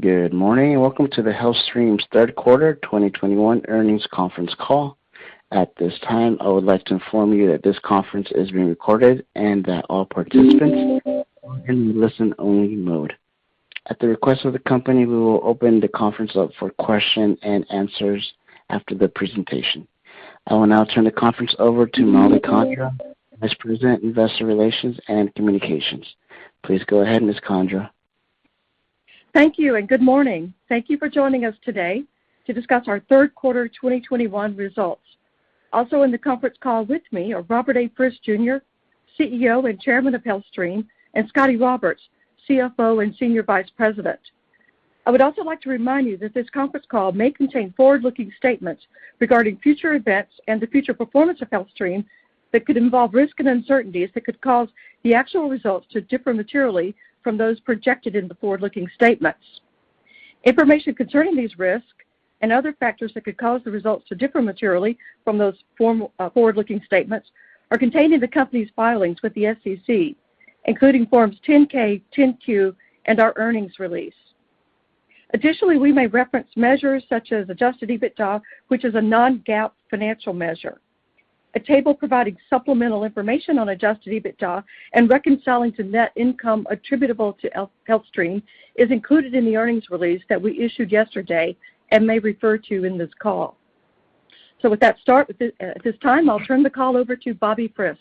Good morning, and welcome to HealthStream's third quarter 2021 earnings conference call. At this time, I would like to inform you that this conference is being recorded and that all participants are in listen-only mode. At the request of the company, we will open the conference up for questions and answers after the presentation. I will now turn the conference over to Mollie Condra, Vice President, Investor Relations and Communications. Please go ahead, Ms. Condra. Thank you, and good morning. Thank you for joining us today to discuss our third quarter 2021 results. Also in the conference call with me are Robert A. Frist Jr., CEO and Chairman of HealthStream, and Scotty Roberts, CFO and Senior Vice President. I would also like to remind you that this conference call may contain forward-looking statements regarding future events and the future performance of HealthStream that could involve risks and uncertainties that could cause the actual results to differ materially from those projected in the forward-looking statements. Information concerning these risks and other factors that could cause the results to differ materially from those forward-looking statements are contained in the company's filings with the SEC, including Forms 10-K, 10-Q, and our earnings release. Additionally, we may reference measures such as Adjusted EBITDA, which is a non-GAAP financial measure. A table providing supplemental information on Adjusted EBITDA and reconciling to net income attributable to HealthStream is included in the earnings release that we issued yesterday and may refer to in this call. With that, at this time, I'll turn the call over to Bobby Frist.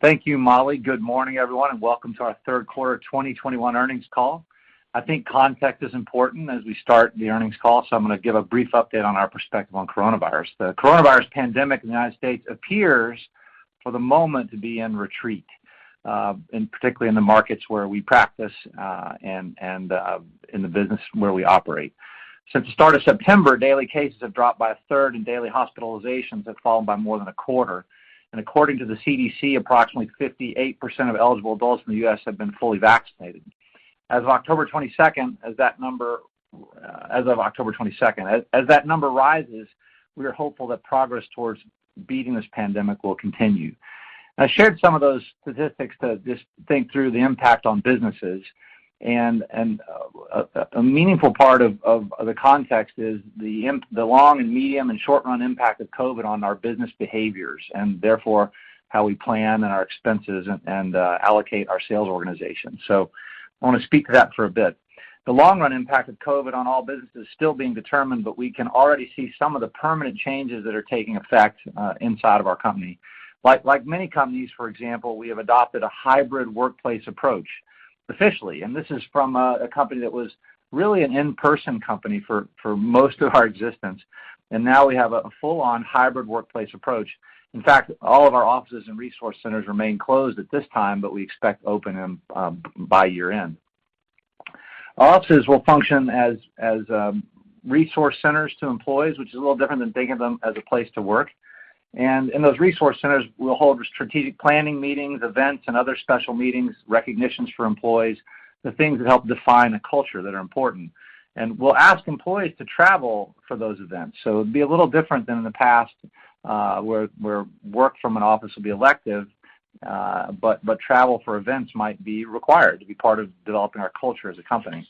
Thank you, Mollie. Good morning, everyone, and welcome to our third quarter 2021 earnings call. I think context is important as we start the earnings call, so I'm gonna give a brief update on our perspective on coronavirus. The coronavirus pandemic in the United States appears for the moment to be in retreat, and particularly in the markets where we practice, and in the business where we operate. Since the start of September, daily cases have dropped by a third, and daily hospitalizations have fallen by more than a quarter. According to the CDC, approximately 58% of eligible adults in the U.S. have been fully vaccinated. As of October 22, as that number rises, we are hopeful that progress towards beating this pandemic will continue. I shared some of those statistics to just think through the impact on businesses and a meaningful part of the context is the long and medium and short run impact of COVID on our business behaviors and therefore how we plan and our expenses and allocate our sales organization. I wanna speak to that for a bit. The long run impact of COVID on all business is still being determined, but we can already see some of the permanent changes that are taking effect inside of our company. Like many companies, for example, we have adopted a hybrid workplace approach officially, and this is from a company that was really an in-person company for most of our existence. Now we have a full on hybrid workplace approach. In fact, all of our offices and resource centers remain closed at this time, but we expect to open them by year-end. Our offices will function as resource centers to employees, which is a little different than thinking of them as a place to work. In those resource centers, we'll hold strategic planning meetings, events, and other special meetings, recognitions for employees, the things that help define a culture that are important. We'll ask employees to travel for those events. It'd be a little different than in the past, where work from an office will be elective, but travel for events might be required to be part of developing our culture as a company.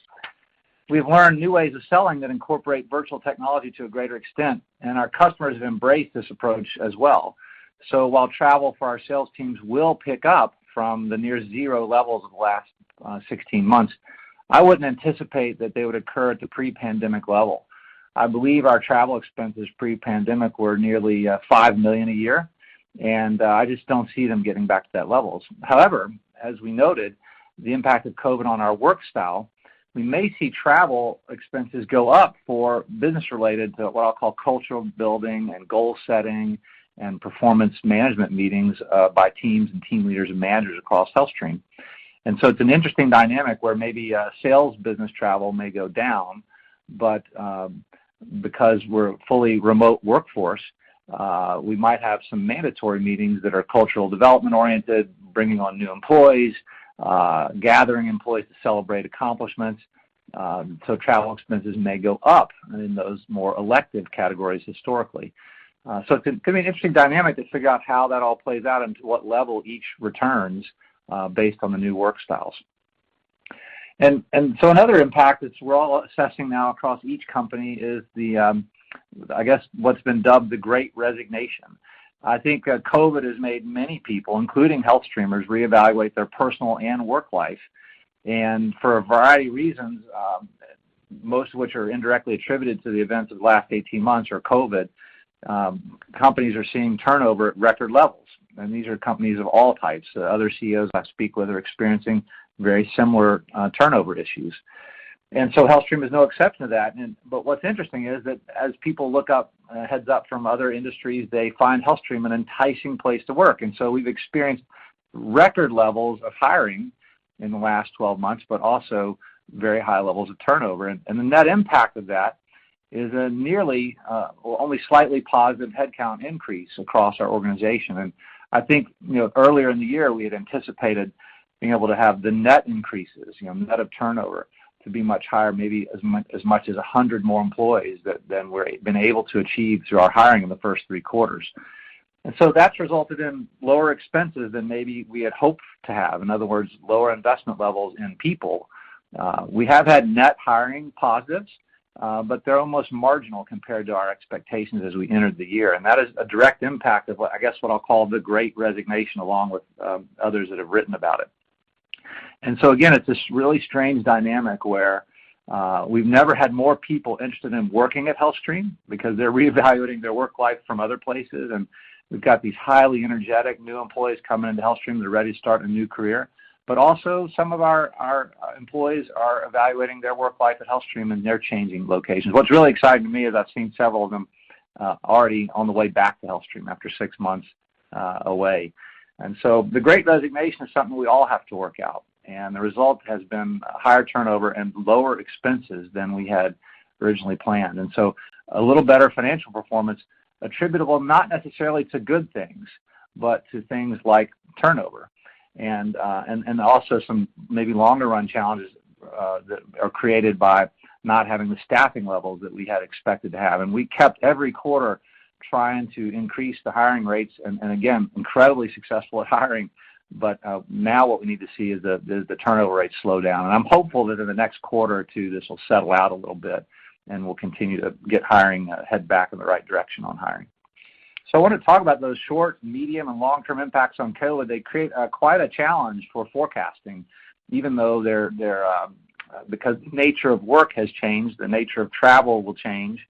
We've learned new ways of selling that incorporate virtual technology to a greater extent, and our customers have embraced this approach as well. While travel for our sales teams will pick up from the near zero levels of the last 16 months, I wouldn't anticipate that they would occur at the pre-pandemic level. I believe our travel expenses pre-pandemic were nearly $5 million a year, and I just don't see them getting back to that level. However, as we noted, the impact of COVID on our work style, we may see travel expenses go up for business related to what I'll call cultural building and goal setting and performance management meetings by teams and team leaders and managers across HealthStream. It's an interesting dynamic where maybe sales business travel may go down, but because we're a fully remote workforce, we might have some mandatory meetings that are cultural development oriented, bringing on new employees, gathering employees to celebrate accomplishments. Travel expenses may go up in those more elective categories historically. It's gonna be an interesting dynamic to figure out how that all plays out and to what level each returns based on the new work styles. Another impact that we're all assessing now across each company is, I guess, what's been dubbed the Great Resignation. I think COVID has made many people, including HealthStreamers, reevaluate their personal and work life. For a variety of reasons, most of which are indirectly attributed to the events of the last 18 months or COVID, companies are seeing turnover at record levels. These are companies of all types. Other CEOs I speak with are experiencing very similar turnover issues. HealthStream is no exception to that. What's interesting is that as people look up, head up from other industries, they find HealthStream an enticing place to work. We've experienced record levels of hiring in the last 12 months, but also very high levels of turnover. The net impact of that is a nearly or only slightly positive headcount increase across our organization. I think, you know, earlier in the year, we had anticipated being able to have the net increases, you know, net of turnover to be much higher, maybe as much as 100 more employees than we've been able to achieve through our hiring in the first three quarters. That's resulted in lower expenses than maybe we had hoped to have. In other words, lower investment levels in people. We have had net hiring positives, but they're almost marginal compared to our expectations as we entered the year. That is a direct impact of what, I guess, what I'll call the Great Resignation, along with others that have written about it. Again, it's this really strange dynamic where we've never had more people interested in working at HealthStream because they're reevaluating their work life from other places, and we've got these highly energetic new employees coming into HealthStream that are ready to start a new career. Also, some of our employees are evaluating their work life at HealthStream, and they're changing locations. What's really exciting to me is I've seen several of them already on the way back to HealthStream after six months away. The Great Resignation is something we all have to work out, and the result has been higher turnover and lower expenses than we had originally planned. A little better financial performance attributable not necessarily to good things, but to things like turnover and also some maybe longer run challenges that are created by not having the staffing levels that we had expected to have. We kept every quarter trying to increase the hiring rates, and again, incredibly successful at hiring. Now what we need to see is the turnover rates slow down. I'm hopeful that in the next quarter or two, this will settle out a little bit, and we'll continue to get hiring head back in the right direction on hiring. I wanna talk about those short, medium, and long-term impacts on COVID. They create quite a challenge for forecasting even though they're because nature of work has changed, the nature of travel will change,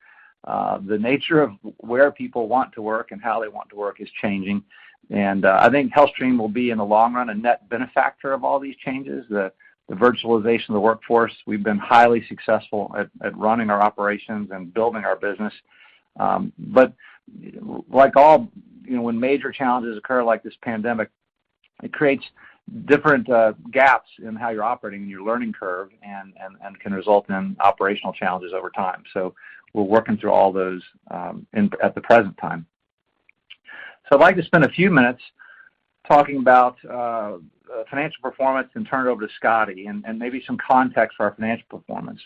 the nature of where people want to work and how they want to work is changing. I think HealthStream will be, in the long run, a net beneficiary of all these changes. The virtualization of the workforce, we've been highly successful at running our operations and building our business. But like all you know, when major challenges occur, like this pandemic, it creates different gaps in how you're operating in your learning curve and can result in operational challenges over time. We're working through all those in at the present time. I'd like to spend a few minutes talking about financial performance and turn it over to Scotty, and maybe some context for our financial performance.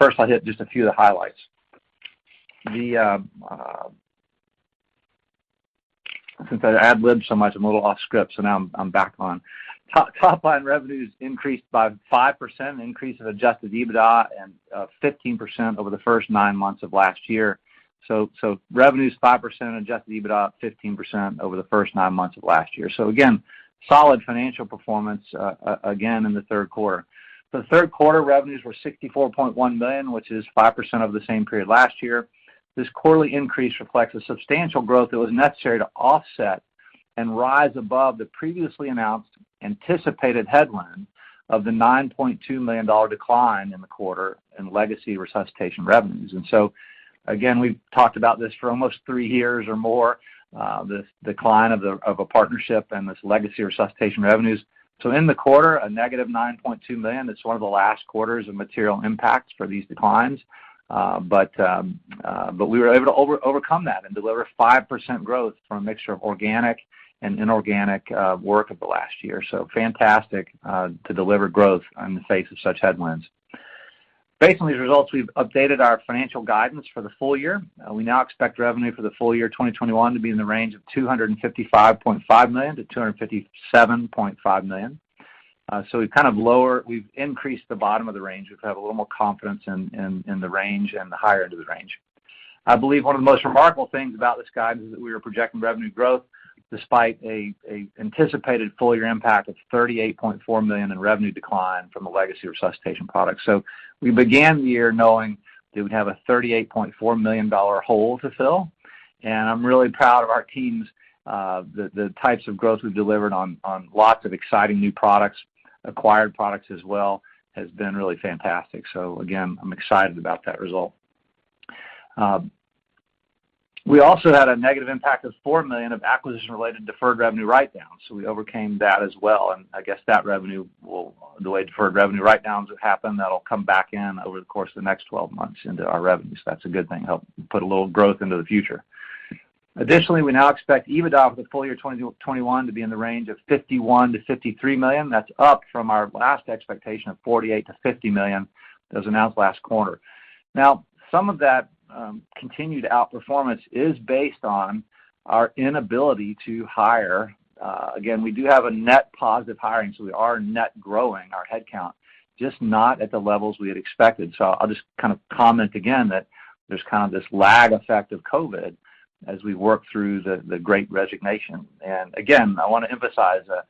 First I'll hit just a few of the highlights. Since I ad-libbed so much, I'm a little off script, so now I'm back on. Top line revenues increased by 5%, increase of Adjusted EBITDA and 15% over the first nine months of last year. Revenues 5% and Adjusted EBITDA 15% over the first nine months of last year. Again, solid financial performance again in the third quarter. The third quarter revenues were $64.1 million, which is 5% over the same period last year. This quarterly increase reflects the substantial growth that was necessary to offset and rise above the previously announced anticipated headwind of the $9.2 million decline in the quarter in legacy resuscitation revenues. Again, we've talked about this for almost three years or more, this decline of a partnership and this legacy resuscitation revenues. In the quarter, a -$9.2 million. It's one of the last quarters of material impacts for these declines. We were able to overcome that and deliver 5% growth from a mixture of organic and inorganic work over the last year. Fantastic to deliver growth in the face of such headwinds. Based on these results, we've updated our financial guidance for the full year. We now expect revenue for the full year 2021 to be in the range of $255.5 million-$257.5 million. We've increased the bottom of the range. We have a little more confidence in the range and the higher end of the range. I believe one of the most remarkable things about this guidance is that we are projecting revenue growth despite a anticipated full year impact of $38.4 million in revenue decline from the legacy resuscitation product. We began the year knowing that we'd have a $38.4 million hole to fill, and I'm really proud of our teams, the types of growth we've delivered on lots of exciting new products, acquired products as well, has been really fantastic. Again, I'm excited about that result. We also had a negative impact of $4 million of acquisition-related deferred revenue write-downs, so we overcame that as well. I guess, the way deferred revenue write-downs have happened, that'll come back in over the course of the next 12 months into our revenues. That's a good thing. That'll help put a little growth into the future. Additionally, we now expect EBITDA for the full year 2021 to be in the range of $51 million-$53 million. That's up from our last expectation of $48 million-$50 million that was announced last quarter. Now, some of that continued outperformance is based on our inability to hire. Again, we do have a net positive hiring, so we are net growing our headcount, just not at the levels we had expected. I'll just kind of comment again that there's kind of this lag effect of COVID as we work through the Great Resignation. Again, I wanna emphasize that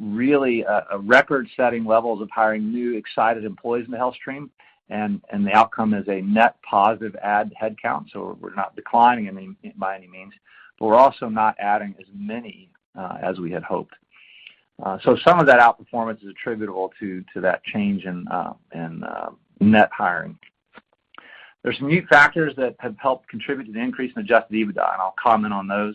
really record-setting levels of hiring new, excited employees into HealthStream and the outcome is a net positive add headcount. We're not declining any, by any means, but we're also not adding as many as we had hoped. Some of that outperformance is attributable to that change in net hiring. There's some new factors that have helped contribute to the increase in Adjusted EBITDA, and I'll comment on those.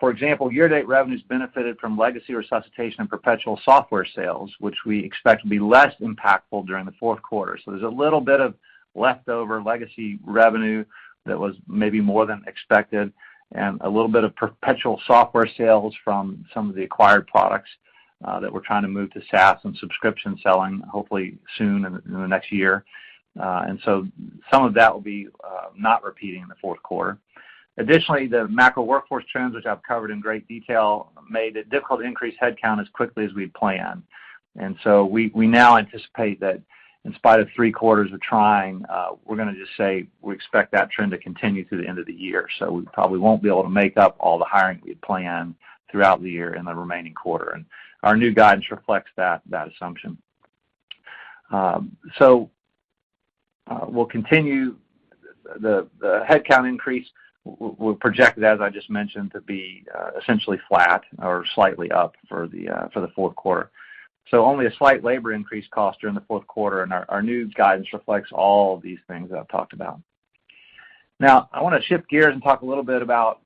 For example, year-to-date revenues benefited from legacy resuscitation and perpetual software sales, which we expect to be less impactful during the fourth quarter. There's a little bit of leftover legacy revenue that was maybe more than expected and a little bit of perpetual software sales from some of the acquired products that we're trying to move to SaaS and subscription selling, hopefully soon in the next year. Some of that will be not repeating in the fourth quarter. Additionally, the macro workforce trends, which I've covered in great detail, made it difficult to increase headcount as quickly as we had planned. We now anticipate that in spite of three quarters of trying, we're gonna just say we expect that trend to continue through the end of the year. We probably won't be able to make up all the hiring we had planned throughout the year in the remaining quarter, and our new guidance reflects that assumption. We'll continue the headcount increase. We're projected, as I just mentioned, to be essentially flat or slightly up for the fourth quarter. Only a slight labor increase cost during the fourth quarter, and our new guidance reflects all these things that I've talked about. Now, I wanna shift gears and talk a little bit about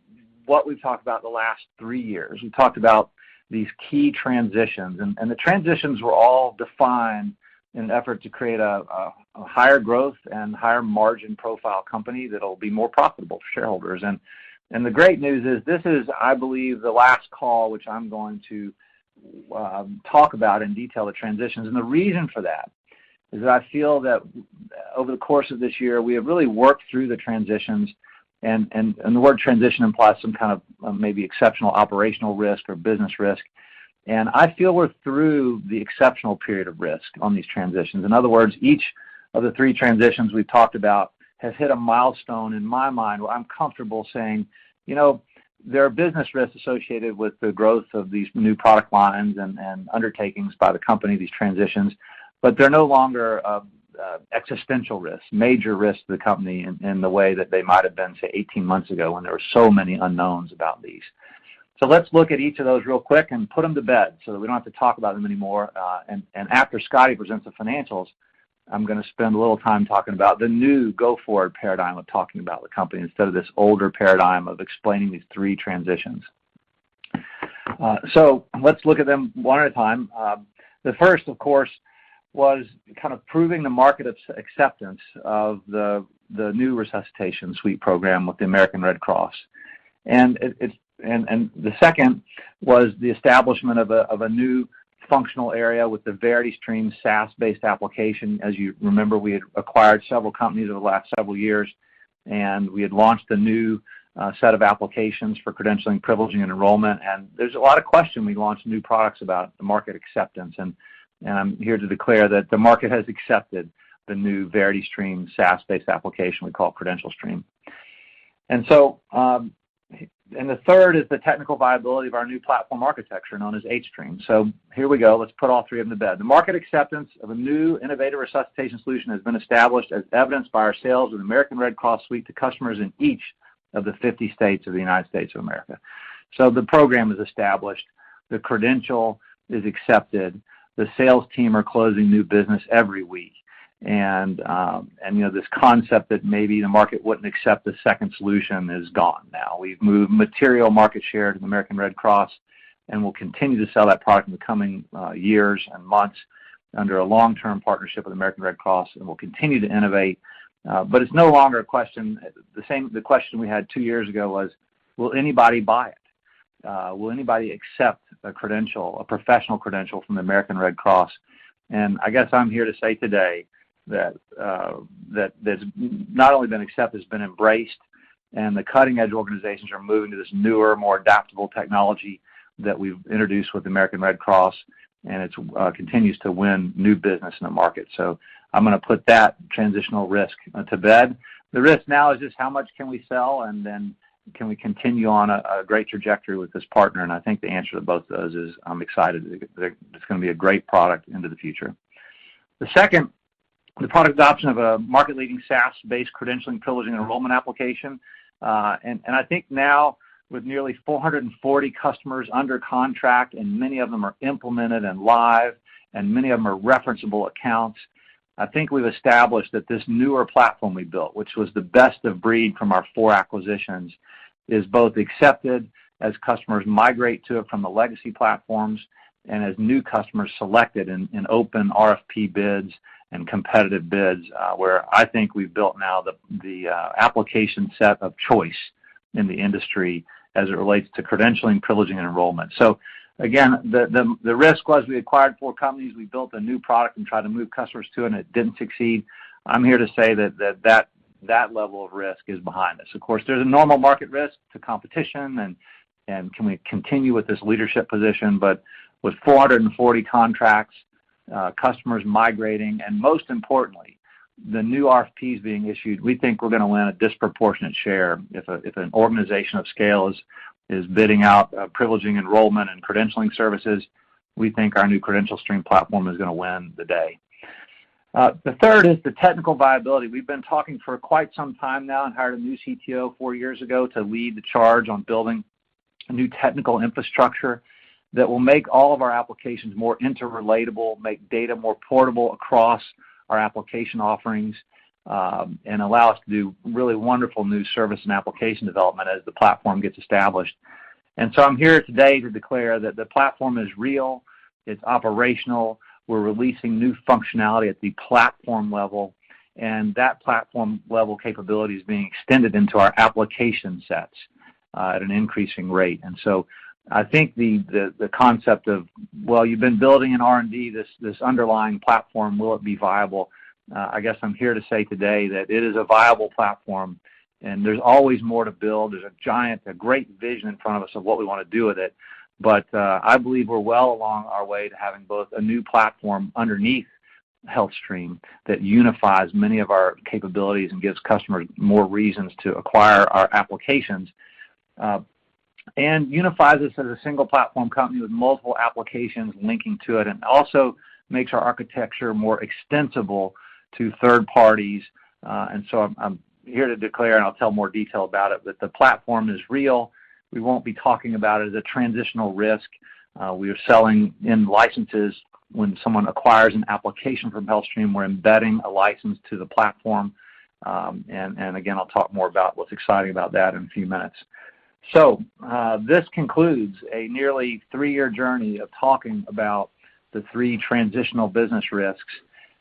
what we've talked about the last three years. We talked about these key transitions, and the transitions were all defined in an effort to create a higher growth and higher margin profile company that'll be more profitable for shareholders. The great news is, this is, I believe, the last call which I'm going to talk about in detail the transitions. The reason for that is that I feel that over the course of this year, we have really worked through the transitions and the word transition implies some kind of, maybe exceptional operational risk or business risk. I feel we're through the exceptional period of risk on these transitions. In other words, each of the three transitions we've talked about has hit a milestone in my mind, where I'm comfortable saying, you know, there are business risks associated with the growth of these new product lines and undertakings by the company, these transitions, but they're no longer, existential risks, major risks to the company in the way that they might have been, say, 18 months ago when there were so many unknowns about these. Let's look at each of those real quick and put them to bed so that we don't have to talk about them anymore. After Scotty presents the financials, I'm gonna spend a little time talking about the new go-forward paradigm of talking about the company instead of this older paradigm of explaining these three transitions. Let's look at them one at a time. The first, of course, was kind of proving the market acceptance of the new resuscitation suite program with the American Red Cross. The second was the establishment of a new functional area with the VerityStream SaaS-based application. As you remember, we had acquired several companies over the last several years, and we had launched a new set of applications for credentialing, privileging, and enrollment. There's a lot of question we launched new products about the market acceptance, and I'm here to declare that the market has accepted the new VerityStream SaaS-based application we call CredentialStream. The third is the technical viability of our new platform architecture known as hStream. Here we go. Let's put all three of them to bed. The market acceptance of a new innovative resuscitation solution has been established as evidenced by our sales of American Red Cross Suite to customers in each of the 50 states of the United States of America. The program is established, the credential is accepted, the sales team are closing new business every week. You know, this concept that maybe the market wouldn't accept a second solution is gone now. We've moved material market share to the American Red Cross, and we'll continue to sell that product in the coming years and months under a long-term partnership with American Red Cross, and we'll continue to innovate. It's no longer a question. The question we had two years ago was, will anybody buy it? Will anybody accept a credential, a professional credential from the American Red Cross? I guess I'm here to say today that that it's not only been accepted, it's been embraced, and the cutting-edge organizations are moving to this newer, more adaptable technology that we've introduced with the American Red Cross, and it continues to win new business in the market. I'm gonna put that transitional risk to bed. The risk now is just how much can we sell, and then can we continue on a great trajectory with this partner? I think the answer to both of those is I'm excited. It's gonna be a great product into the future. The second, the product adoption of a market-leading SaaS-based credentialing, privileging, and enrollment application. I think now with nearly 440 customers under contract, and many of them are implemented and live, and many of them are referenceable accounts, I think we've established that this newer platform we built, which was the best of breed from our four acquisitions, is both accepted as customers migrate to it from the legacy platforms and as new customers select it in open RFP bids and competitive bids, where I think we've built now the application set of choice in the industry as it relates to credentialing, privileging, and enrollment. Again, the risk was we acquired four companies, we built a new product and tried to move customers to, and it didn't succeed. I'm here to say that level of risk is behind us. Of course, there's a normal market risk to competition and can we continue with this leadership position. With 440 contracts, customers migrating, and most importantly, the new RFPs being issued, we think we're gonna win a disproportionate share. If an organization of scale is bidding out privileging, enrollment, and credentialing services, we think our new CredentialStream platform is gonna win the day. The third is the technical viability. We've been talking for quite some time now and hired a new CTO four years ago to lead the charge on building new technical infrastructure that will make all of our applications more interrelatable, make data more portable across our application offerings, and allow us to do really wonderful new service and application development as the platform gets established. I'm here today to declare that the platform is real, it's operational. We're releasing new functionality at the platform level, and that platform level capability is being extended into our application sets at an increasing rate. I think the concept of, well, you've been building in R&D, this underlying platform, will it be viable? I guess I'm here to say today that it is a viable platform and there's always more to build. There's a great vision in front of us of what we wanna do with it. I believe we're well along our way to having both a new platform underneath HealthStream that unifies many of our capabilities and gives customers more reasons to acquire our applications and unifies us as a single platform company with multiple applications linking to it, and also makes our architecture more extensible to third parties. I'm here to declare, and I'll tell more detail about it, but the platform is real. We won't be talking about it as a transitional risk. We are selling in licenses. When someone acquires an application from HealthStream, we're embedding a license to the platform. Again, I'll talk more about what's exciting about that in a few minutes. This concludes a nearly three-year journey of talking about the three transitional business risks.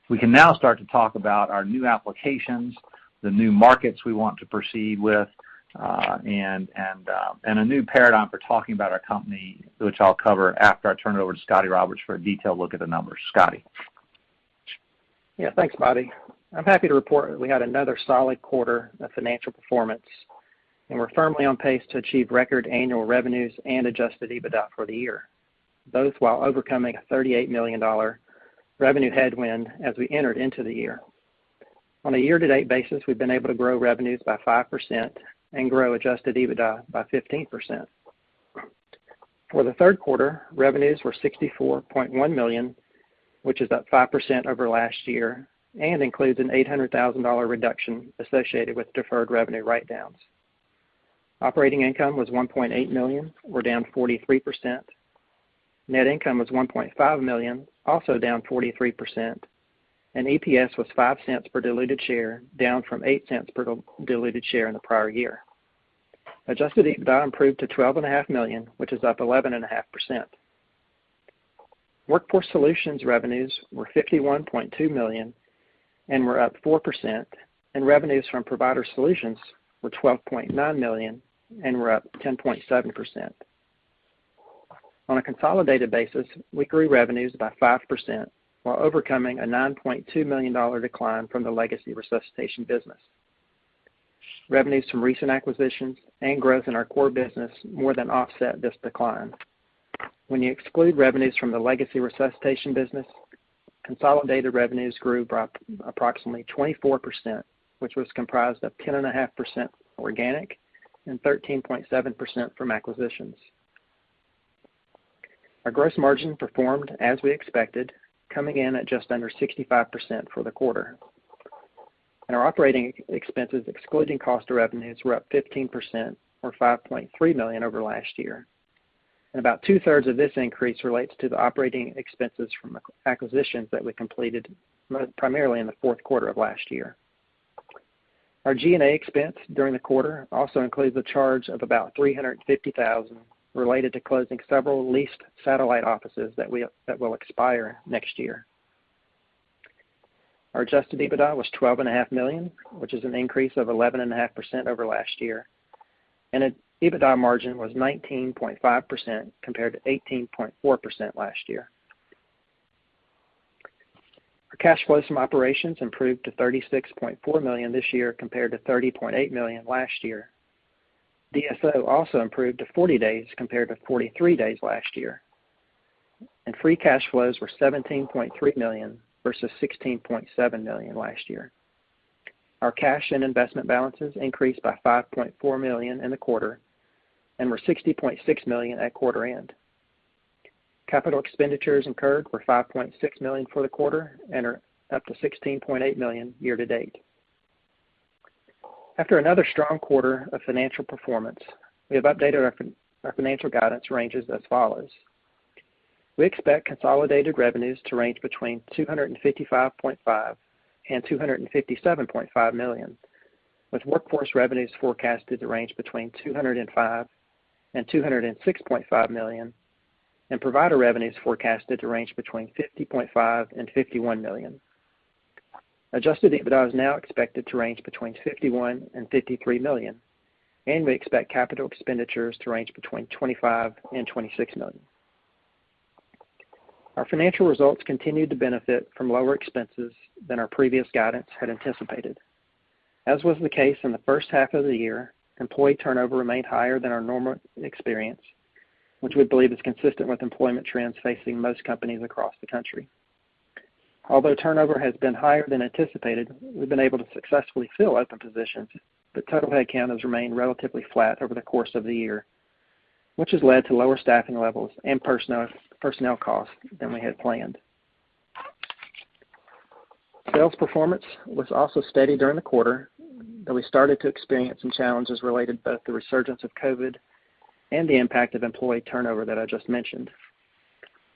We can now start to talk about our new applications, the new markets we want to proceed with, and a new paradigm for talking about our company, which I'll cover after I turn it over to Scotty Roberts for a detailed look at the numbers. Scotty. Yeah. Thanks, Bobby. I'm happy to report that we had another solid quarter of financial performance, and we're firmly on pace to achieve record annual revenues and Adjusted EBITDA for the year, both while overcoming a $38 million revenue headwind as we entered into the year. On a year-to-date basis, we've been able to grow revenues by 5% and grow Adjusted EBITDA by 15%. For the third quarter, revenues were $64.1 million, which is up 5% over last year and includes an $800,000 reduction associated with deferred revenue write-downs. Operating income was $1.8 million, down 43%. Net income was $1.5 million, also down 43%. EPS was $0.05 per diluted share, down from $0.08 per diluted share in the prior year. Adjusted EBITDA improved to $12.5 million, which is up 11.5%. Workforce Solutions revenues were $51.2 million and were up 4%, and revenues from Provider Solutions were $12.9 million and were up 10.7%. On a consolidated basis, we grew revenues by 5% while overcoming a $9.2 million decline from the legacy resuscitation business. Revenues from recent acquisitions and growth in our core business more than offset this decline. When you exclude revenues from the legacy resuscitation business, consolidated revenues grew approximately 24%, which was comprised of 10.5% organic and 13.7% from acquisitions. Our gross margin performed as we expected, coming in at just under 65% for the quarter. Our operating expenses, excluding cost of revenues, were up 15% or $5.3 million over last year. About two-thirds of this increase relates to the operating expenses from acquisitions that we completed primarily in the fourth quarter of last year. Our G&A expense during the quarter also includes a charge of about $350,000 related to closing several leased satellite offices that will expire next year. Our Adjusted EBITDA was $12.5 million, which is an increase of 11.5% over last year, and EBITDA margin was 19.5% compared to 18.4% last year. Our cash flows from operations improved to $36.4 million this year compared to $30.8 million last year. DSO also improved to 40 days compared to 43 days last year, and free cash flows were $17.3 million versus $16.7 million last year. Our cash and investment balances increased by $5.4 million in the quarter and were $60.6 million at quarter end. Capital expenditures incurred were $5.6 million for the quarter and are up to $16.8 million year to date. After another strong quarter of financial performance, we have updated our financial guidance ranges as follows. We expect consolidated revenues to range between $255.5 million-$257.5 million, with workforce revenues forecasted to range between $205 million-$206.5 million, and provider revenues forecasted to range between $50.5 million-$51 million. Adjusted EBITDA is now expected to range between $51 million-$53 million, and we expect capital expenditures to range between $25 million-$26 million. Our financial results continued to benefit from lower expenses than our previous guidance had anticipated. As was the case in the first half of the year, employee turnover remained higher than our normal experience, which we believe is consistent with employment trends facing most companies across the country. Although turnover has been higher than anticipated, we've been able to successfully fill open positions, but total head count has remained relatively flat over the course of the year, which has led to lower staffing levels and personnel costs than we had planned. Sales performance was also steady during the quarter, but we started to experience some challenges related both to the resurgence of COVID and the impact of employee turnover that I just mentioned.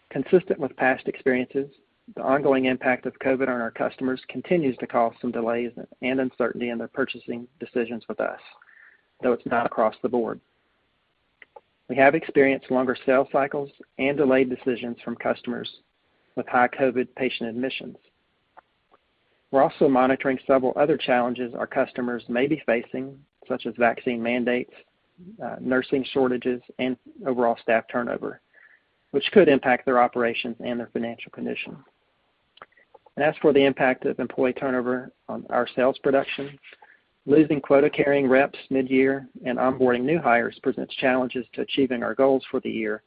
Consistent with past experiences, the ongoing impact of COVID on our customers continues to cause some delays and uncertainty in their purchasing decisions with us, though it's not across the board. We have experienced longer sales cycles and delayed decisions from customers with high COVID patient admissions. We're also monitoring several other challenges our customers may be facing, such as vaccine mandates, nursing shortages, and overall staff turnover, which could impact their operations and their financial condition. As for the impact of employee turnover on our sales production, losing quota-carrying reps mid-year and onboarding new hires presents challenges to achieving our goals for the year.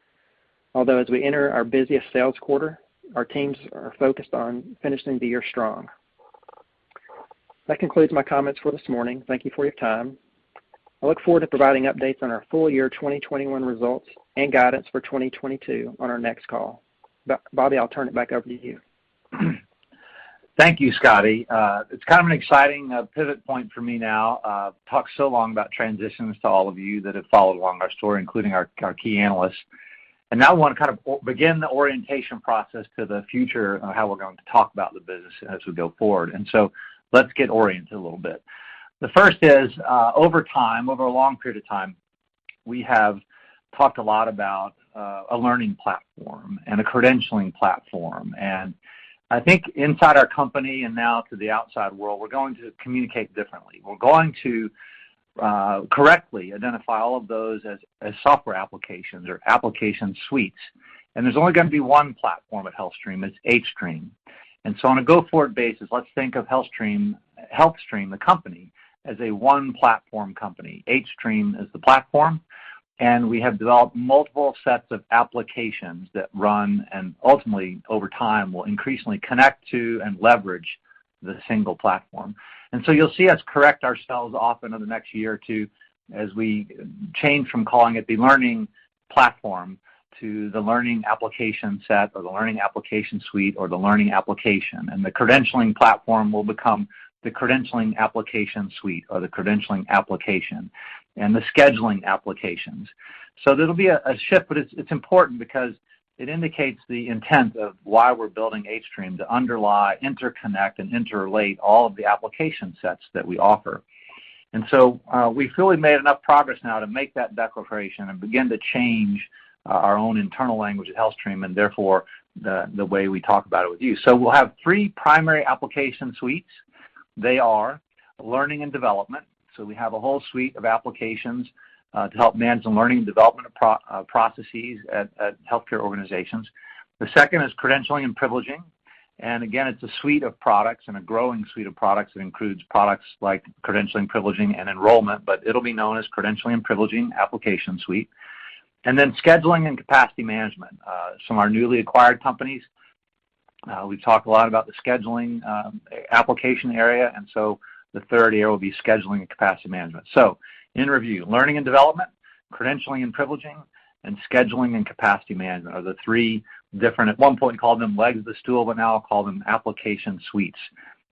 Although as we enter our busiest sales quarter, our teams are focused on finishing the year strong. That concludes my comments for this morning. Thank you for your time. I look forward to providing updates on our full year 2021 results and guidance for 2022 on our next call. Bobby, I'll turn it back over to you. Thank you, Scotty. It's kind of an exciting pivot point for me now. I've talked so long about transitions to all of you that have followed along our story, including our key analysts. Now I wanna kind of begin the orientation process to the future on how we're going to talk about the business as we go forward. Let's get oriented a little bit. The first is, over time, over a long period of time, we have talked a lot about a learning platform and a credentialing platform. I think inside our company and now to the outside world, we're going to communicate differently. We're going to correctly identify all of those as software applications or application suites. There's only gonna be one platform at HealthStream, it's hStream. On a go-forward basis, let's think of HealthStream the company, as a one-platform company. hStream is the platform, and we have developed multiple sets of applications that run and ultimately, over time, will increasingly connect to and leverage the single platform. You'll see us correct ourselves often in the next year or two as we change from calling it the learning platform to the learning application set or the learning application suite or the learning application. The credentialing platform will become the credentialing application suite or the credentialing application and the scheduling applications. There'll be a shift, but it's important because it indicates the intent of why we're building hStream to underlie, interconnect, and interrelate all of the application sets that we offer. We feel we've made enough progress now to make that declaration and begin to change our own internal language at HealthStream, and therefore, the way we talk about it with you. We'll have three primary application suites. They are learning and development. We have a whole suite of applications to help manage the learning and development processes at healthcare organizations. The second is credentialing and privileging. Again, it's a suite of products and a growing suite of products that includes products like credentialing, privileging, and enrollment, but it'll be known as credentialing and privileging application suite. Scheduling and capacity management. Some are newly acquired companies. We've talked a lot about the scheduling application area, and so the third area will be scheduling and capacity management. In review, learning and development, credentialing and privileging, and scheduling and capacity management are the three different, at one point called them legs of the stool, but now I'll call them application suites.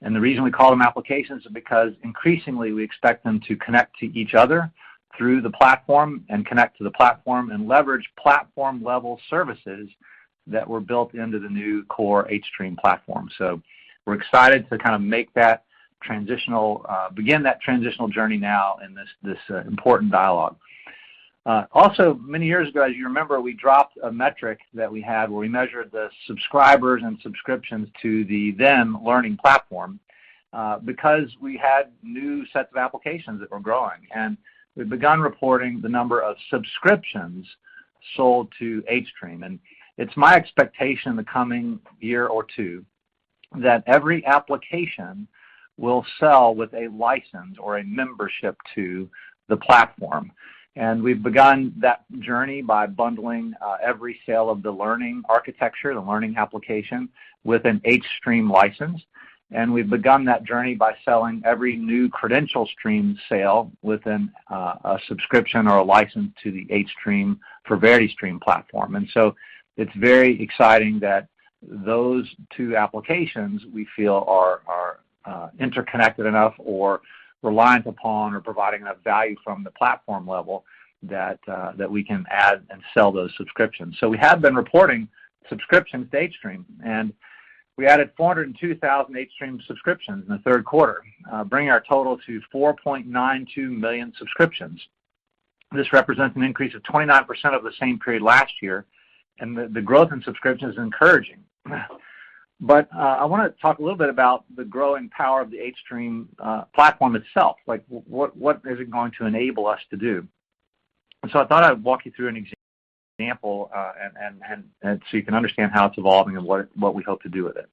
The reason we call them applications is because increasingly we expect them to connect to each other through the platform and connect to the platform and leverage platform-level services that were built into the new core hStream platform. We're excited to begin that transitional journey now in this important dialogue. Also many years ago, as you remember, we dropped a metric that we had where we measured the subscribers and subscriptions to the then learning platform, because we had new sets of applications that were growing, and we've begun reporting the number of subscriptions sold to hStream. It's my expectation in the coming year or two that every application will sell with a license or a membership to the platform. We've begun that journey by bundling every sale of the learning architecture, the learning application, with an hStream license. We've begun that journey by selling every new CredentialStream sale within a subscription or a license to the hStream for VerityStream platform. It's very exciting that those two applications we feel are interconnected enough or reliant upon or providing enough value from the platform level that we can add and sell those subscriptions. We have been reporting subscriptions to hStream, and we added 402,000 hStream subscriptions in the third quarter, bringing our total to 4.92 million subscriptions. This represents an increase of 29% over the same period last year, and the growth in subscriptions is encouraging. I wanna talk a little bit about the growing power of the hStream platform itself. Like, what is it going to enable us to do? I thought I'd walk you through an example, and so you can understand how it's evolving and what we hope to do with it.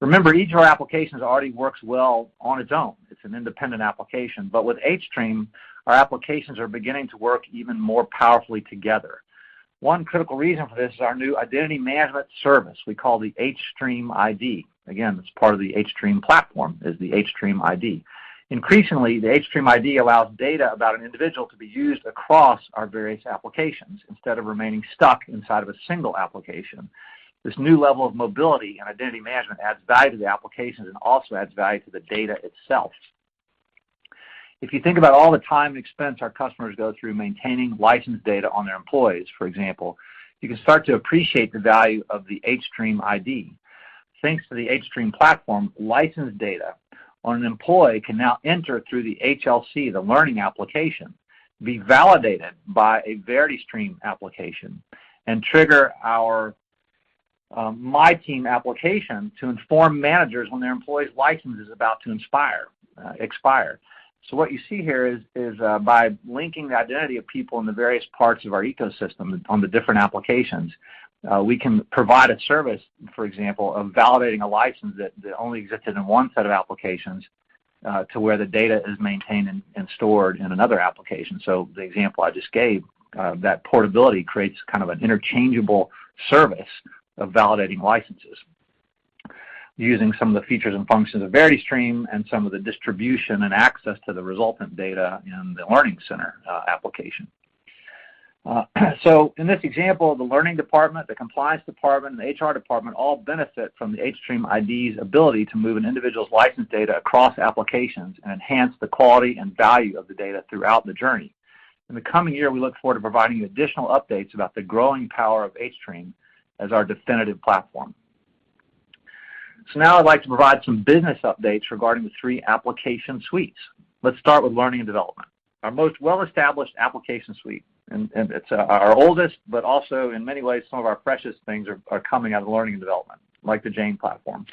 Remember, each of our applications already works well on its own. It's an independent application. With hStream, our applications are beginning to work even more powerfully together. One critical reason for this is our new identity management service we call the hStream ID. Again, it's part of the hStream platform, is the hStream ID. Increasingly, the hStream ID allows data about an individual to be used across our various applications instead of remaining stuck inside of a single application. This new level of mobility and identity management adds value to the applications and also adds value to the data itself. If you think about all the time and expense our customers go through maintaining license data on their employees, for example, you can start to appreciate the value of the hStream ID. Thanks to the hStream platform, license data on an employee can now enter through the HLC, the learning application, be validated by a VerityStream application, and trigger our MyTeam application to inform managers when their employee's license is about to expire. What you see here is by linking the identity of people in the various parts of our ecosystem on the different applications, we can provide a service, for example, of validating a license that only existed in one set of applications to where the data is maintained and stored in another application. The example I just gave, that portability creates kind of an interchangeable service of validating licenses using some of the features and functions of VerityStream and some of the distribution and access to the resultant data in the Learning Center application. In this example, the learning department, the compliance department, and the HR department all benefit from the hStream ID's ability to move an individual's license data across applications and enhance the quality and value of the data throughout the journey. In the coming year, we look forward to providing additional updates about the growing power of hStream as our definitive platform. Now I'd like to provide some business updates regarding the three application suites. Let's start with learning and development, our most well-established application suite, and it's our oldest, but also, in many ways, some of our freshest things are coming out of learning and development, like the Jane platforms.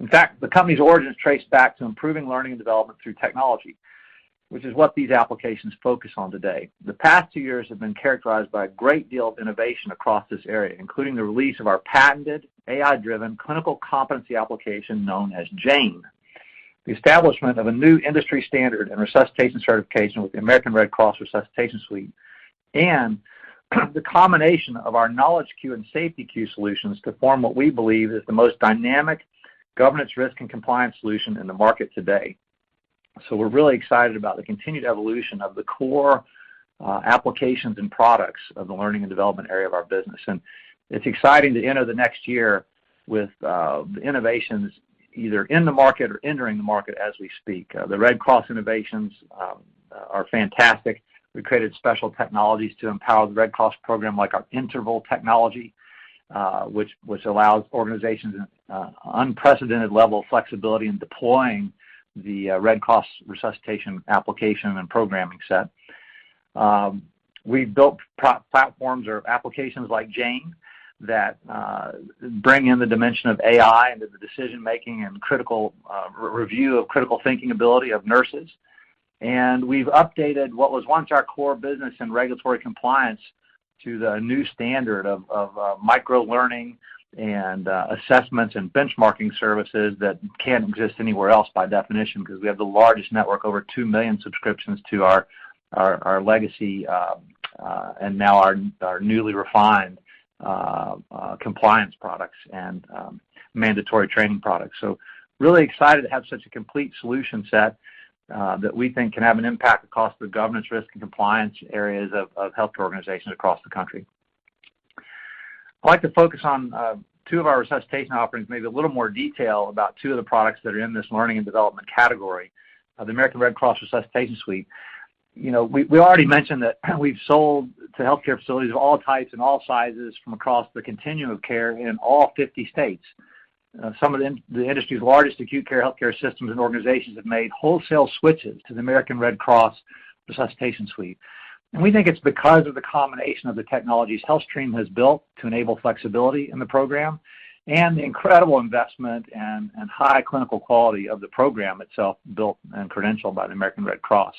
In fact, the company's origins trace back to improving learning and development through technology, which is what these applications focus on today. The past two years have been characterized by a great deal of innovation across this area, including the release of our patented AI-driven clinical competency application known as Jane, the establishment of a new industry standard in resuscitation certification with the American Red Cross Resuscitation Suite, and the combination of our KnowledgeQ and SafetyQ Solutions to form what we believe is the most dynamic governance risk and compliance solution in the market today. We're really excited about the continued evolution of the core applications and products of the learning and development area of our business. It's exciting to enter the next year with the innovations either in the market or entering the market as we speak. The Red Cross innovations are fantastic. We created special technologies to empower the Red Cross program, like our interval technology, which allows organizations unprecedented level of flexibility in deploying the Red Cross resuscitation application and programming set. We've built platforms or applications like Jane that bring in the dimension of AI into the decision-making and critical review of critical thinking ability of nurses. We've updated what was once our core business in regulatory compliance to the new standard of microlearning and assessments and benchmarking services that can't exist anywhere else by definition because we have the largest network, over 2 million subscriptions to our legacy and now our newly refined compliance products and mandatory training products. Really excited to have such a complete solution set that we think can have an impact across the governance risk and compliance areas of healthcare organizations across the country. I'd like to focus on two of our resuscitation offerings, maybe a little more detail about two of the products that are in this learning and development category of the American Red Cross Resuscitation Suite. We already mentioned that we've sold to healthcare facilities of all types and all sizes from across the continuum of care in all 50 states. Some of the industry's largest acute care healthcare systems and organizations have made wholesale switches to the American Red Cross Resuscitation Suite. We think it's because of the combination of the technologies HealthStream has built to enable flexibility in the program and the incredible investment and high clinical quality of the program itself built and credentialed by the American Red Cross.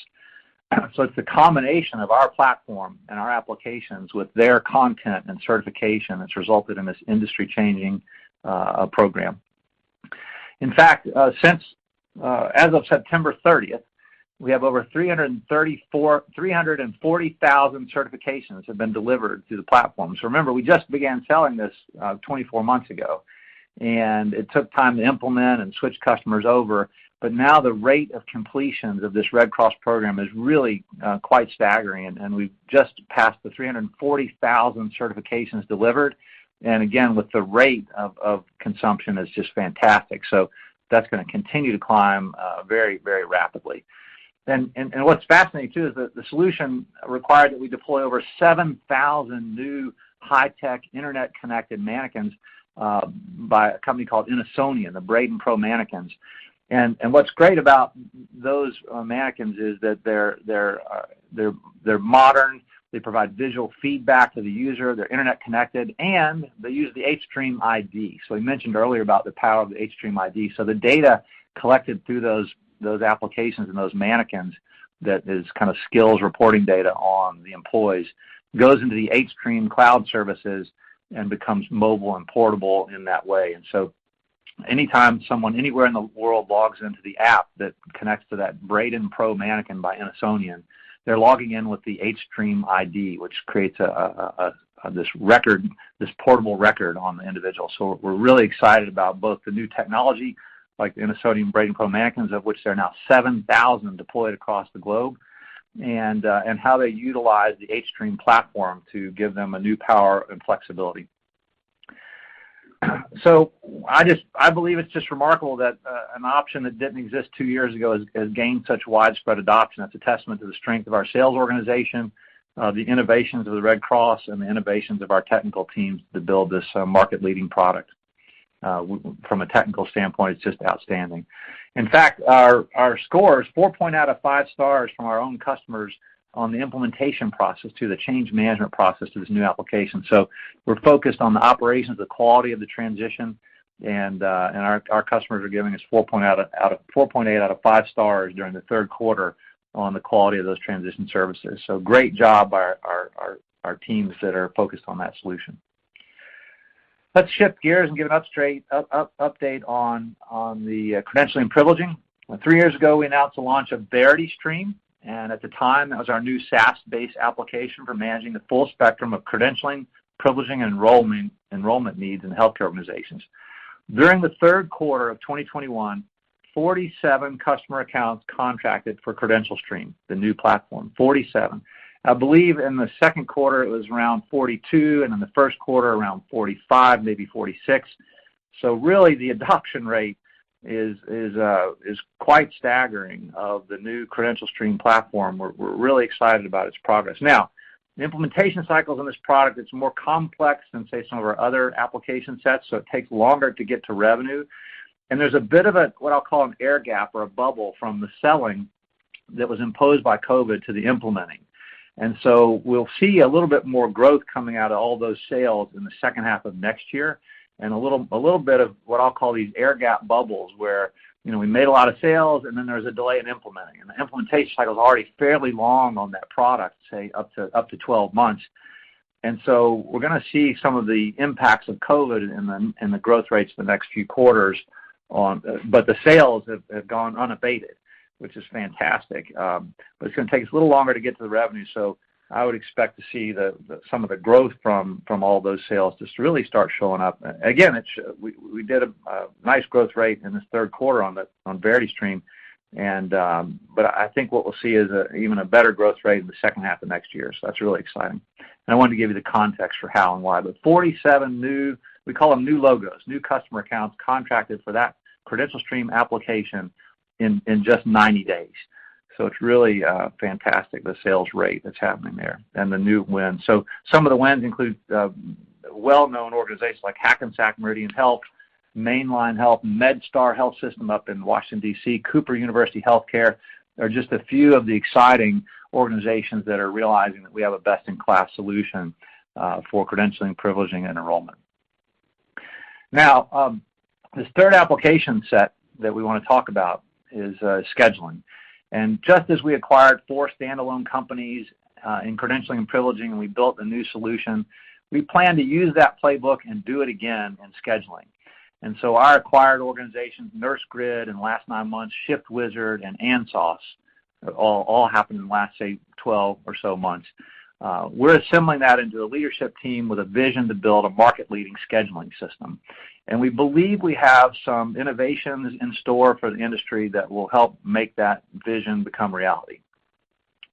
It's the combination of our platform and our applications with their content and certification that's resulted in this industry-changing program. In fact, since as of September 30th, we have over 340,000 certifications have been delivered through the platform. Remember, we just began selling this 24 months ago, and it took time to implement and switch customers over. Now the rate of completions of this Red Cross program is really quite staggering, and we've just passed the 340,000 certifications delivered. Again, with the rate of consumption is just fantastic. That's gonna continue to climb very rapidly. What's fascinating too is that the solution required that we deploy over 7,000 new high-tech internet-connected mannequins by a company called Innosonian, the Brayden Pro Mannequins. What's great about those mannequins is that they're modern, they provide visual feedback to the user, they're internet-connected, and they use the hStream ID. We mentioned earlier about the power of the hStream ID. The data collected through those applications and those mannequins that is kind of skills reporting data on the employees goes into the hStream cloud services and becomes mobile and portable in that way. Anytime someone anywhere in the world logs into the app that connects to that Brayden Pro Mannequin by Innosonian, they're logging in with the hStream ID, which creates this portable record on the individual. We're really excited about both the new technology, like the Innosonian Brayden Pro Mannequins, of which there are now 7,000 deployed across the globe, and how they utilize the hStream platform to give them a new power and flexibility. I believe it's just remarkable that an option that didn't exist two years ago has gained such widespread adoption. That's a testament to the strength of our sales organization, the innovations of the Red Cross, and the innovations of our technical teams to build this market-leading product. From a technical standpoint, it's just outstanding. In fact, our score is four out of five stars from our own customers on the implementation process to the change management process to this new application. We're focused on the operations, the quality of the transition, and our customers are giving us 4.8 out of five stars during the third quarter on the quality of those transition services. Great job by our teams that are focused on that solution. Let's shift gears and give an update on the credentialing and privileging. Three years ago, we announced the launch of VerityStream, and at the time, that was our new SaaS-based application for managing the full spectrum of credentialing, privileging, enrollment needs in healthcare organizations. During the third quarter of 2021, 47 customer accounts contracted for CredentialStream, the new platform. 47. I believe in the second quarter it was around 42, and in the first quarter around 45, maybe 46. Really, the adoption rate is quite staggering of the new CredentialStream platform. We're really excited about its progress. Now, the implementation cycles on this product, it's more complex than, say, some of our other application sets, so it takes longer to get to revenue. There's a bit of a, what I'll call an air gap or a bubble from the selling that was imposed by COVID to the implementing. We'll see a little bit more growth coming out of all those sales in the second half of next year and a little bit of what I'll call these air gap bubbles, where, you know, we made a lot of sales, and then there's a delay in implementing. The implementation cycle is already fairly long on that product, say up to 12 months. We're gonna see some of the impacts of COVID in the growth rates the next few quarters. The sales have gone unabated, which is fantastic. It's gonna take us a little longer to get to the revenue. I would expect to see some of the growth from all those sales just really start showing up. Again, it's we did a nice growth rate in this third quarter on VerityStream and, but I think what we'll see is even a better growth rate in the second half of next year. That's really exciting. I wanted to give you the context for how and why. 47 new, we call them new logos, new customer accounts contracted for that CredentialStream application in just 90 days. It's really fantastic, the sales rate that's happening there and the new wins. Some of the wins include well-known organizations like Hackensack Meridian Health, Main Line Health, MedStar Health system up in Washington, D.C., Cooper University Health Care. They're just a few of the exciting organizations that are realizing that we have a best-in-class solution for credentialing, privileging, and enrollment. Now, this third application set that we wanna talk about is scheduling. Just as we acquired four standalone companies in credentialing and privileging, and we built a new solution, we plan to use that playbook and do it again in scheduling. Our acquired organizations, NurseGrid, in the last nine months, ShiftWizard and ANSOS, all happened in the last, say, 12 or so months. We're assembling that into a leadership team with a vision to build a market-leading scheduling system. We believe we have some innovations in store for the industry that will help make that vision become reality.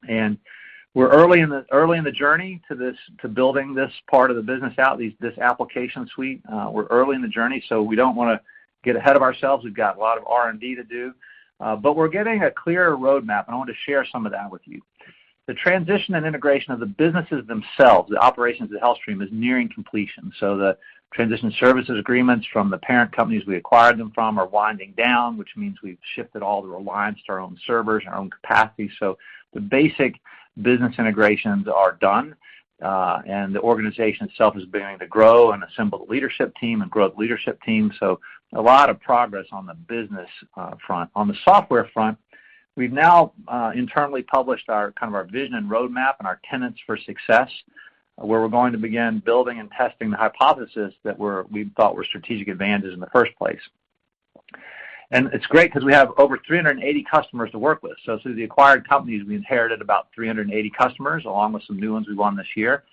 We're early in the journey to building this part of the business out, this application suite. We're early in the journey, so we don't wanna get ahead of ourselves. We've got a lot of R&D to do, but we're getting a clearer roadmap, and I want to share some of that with you. The transition and integration of the businesses themselves, the operations of HealthStream, is nearing completion. The transition services agreements from the parent companies we acquired them from are winding down, which means we've shifted all the reliance to our own servers and our own capacity. The basic business integrations are done, and the organization itself is beginning to grow and assemble the leadership team. A lot of progress on the business front. On the software front, we've now internally published our kind of our vision and roadmap and our tenets for success, where we're going to begin building and testing the hypothesis that we thought were strategic advantages in the first place. It's great because we have over 380 customers to work with. Through the acquired companies, we inherited about 380 customers, along with some new ones we won this year.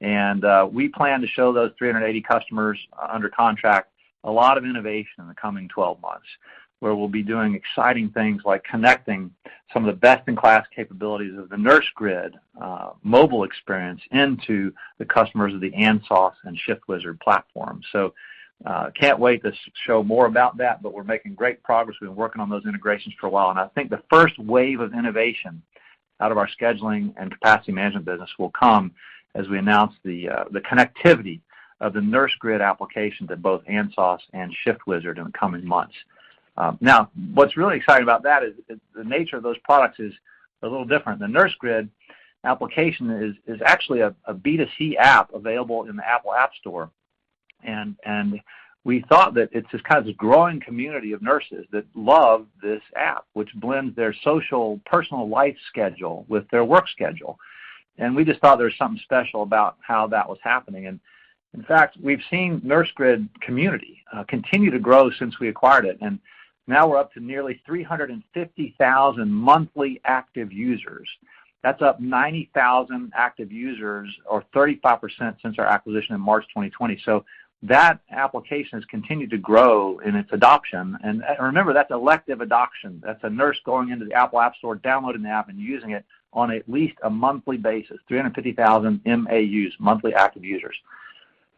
We plan to show those 380 customers under contract a lot of innovation in the coming 12 months, where we'll be doing exciting things like connecting some of the best-in-class capabilities of the NurseGrid mobile experience into the customers of the ANSOS and ShiftWizard platform. Can't wait to show more about that, but we're making great progress. We've been working on those integrations for a while, and I think the first wave of innovation out of our scheduling and capacity management business will come as we announce the connectivity of the NurseGrid application to both ANSOS and ShiftWizard in the coming months. Now what's really exciting about that is the nature of those products is a little different. The NurseGrid application is actually a B2C app available in the Apple App Store. We thought that it's this kind of growing community of nurses that love this app, which blends their social personal life schedule with their work schedule. We just thought there was something special about how that was happening. In fact, we've seen NurseGrid Community continue to grow since we acquired it, and now we're up to nearly 350,000 monthly active users. That's up 90,000 active users or 35% since our acquisition in March 2020. That application has continued to grow in its adoption. Remember, that's elective adoption. That's a nurse going into the Apple App Store, downloading the app, and using it on at least a monthly basis, 350,000 MAUs, monthly active users.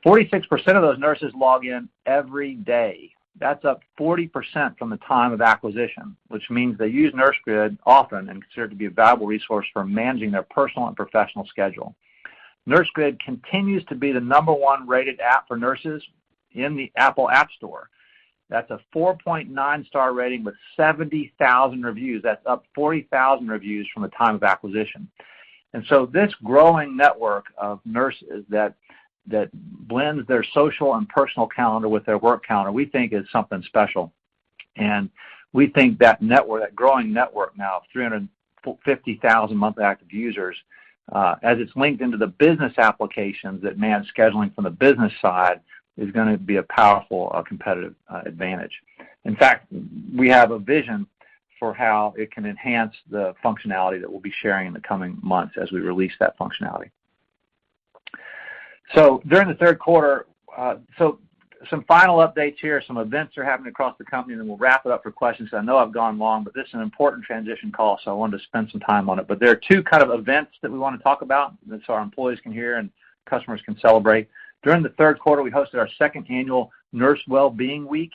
46% of those nurses log in every day. That's up 40% from the time of acquisition, which means they use NurseGrid often and consider it to be a valuable resource for managing their personal and professional schedule. NurseGrid continues to be the number one rated app for nurses in the Apple App Store. That's a 4.9 star rating with 70,000 reviews. That's up 40,000 reviews from the time of acquisition. This growing network of nurses that blends their social and personal calendar with their work calendar, we think is something special. We think that network, that growing network now of 350,000 monthly active users, as it's linked into the business applications that manage scheduling from the business side, is gonna be a powerful, competitive, advantage. In fact, we have a vision for how it can enhance the functionality that we'll be sharing in the coming months as we release that functionality. During the third quarter, some final updates here. Some events are happening across the company, and then we'll wrap it up for questions because I know I've gone long, but this is an important transition call, so I wanted to spend some time on it. There are two kinds of events that we wanna talk about so our employees can hear and customers can celebrate. During the third quarter, we hosted our second annual Nurse Wellbeing Week.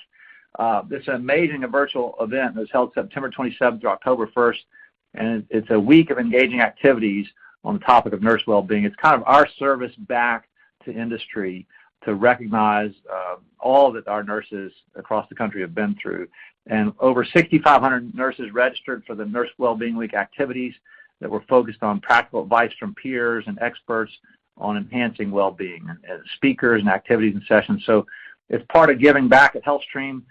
This amazing virtual event was held September 27th through October first, and it's a week of engaging activities on the topic of nurse wellbeing. It's kind of our service back to industry to recognize, all that our nurses across the country have been through. Over 6,500 nurses registered for the Nurse Wellbeing Week activities that were focused on practical advice from peers and experts on enhancing wellbeing, speakers and activities and sessions. It's part of giving back at HealthStream,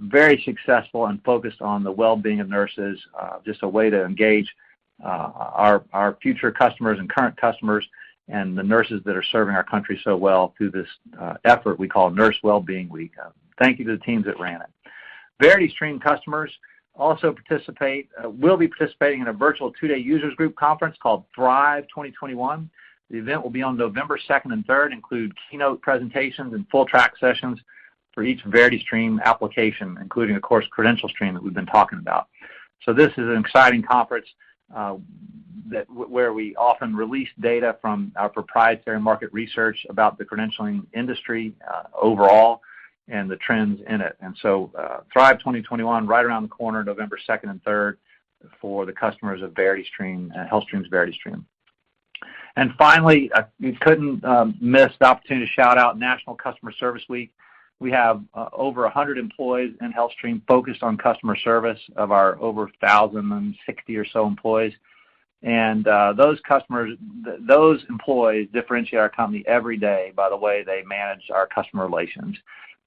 very successful and focused on the wellbeing of nurses, just a way to engage, our future customers and current customers and the nurses that are serving our country so well through this, effort we call Nurse Wellbeing Week. Thank you to the teams that ran it. VerityStream customers will also be participating in a virtual two-day users group conference called Thrive 2021. The event will be on November second and third, include keynote presentations and full track sessions for each VerityStream application, including the core CredentialStream that we've been talking about. This is an exciting conference where we often release data from our proprietary market research about the credentialing industry overall and the trends in it. Thrive 2021 right around the corner, November second and third for the customers of VerityStream, HealthStream's VerityStream. Finally, I couldn't miss the opportunity to shout out National Customer Service Week. We have over 100 employees in HealthStream focused on customer service of our over 1,060 or so employees. Those employees differentiate our company every day by the way they manage our customer relations.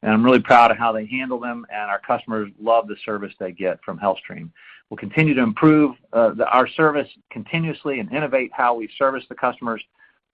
I'm really proud of how they handle them, and our customers love the service they get from HealthStream. We'll continue to improve our service continuously and innovate how we service the customers.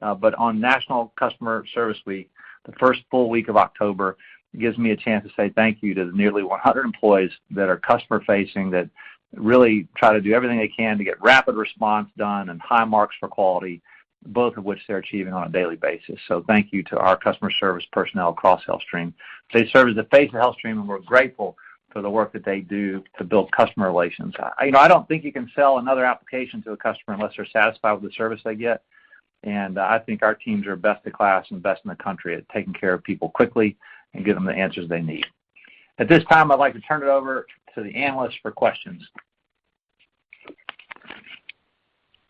On National Customer Service Week, the first full week of October, it gives me a chance to say thank you to the nearly 100 employees that are customer-facing, that really try to do everything they can to get rapid response done and high marks for quality, both of which they're achieving on a daily basis. Thank you to our customer service personnel across HealthStream. They serve as the face of HealthStream, and we're grateful for the work that they do to build customer relations. You know, I don't think you can sell another application to a customer unless they're satisfied with the service they get, and I think our teams are best in class and best in the country at taking care of people quickly and giving them the answers they need. At this time, I'd like to turn it over to the analyst for questions.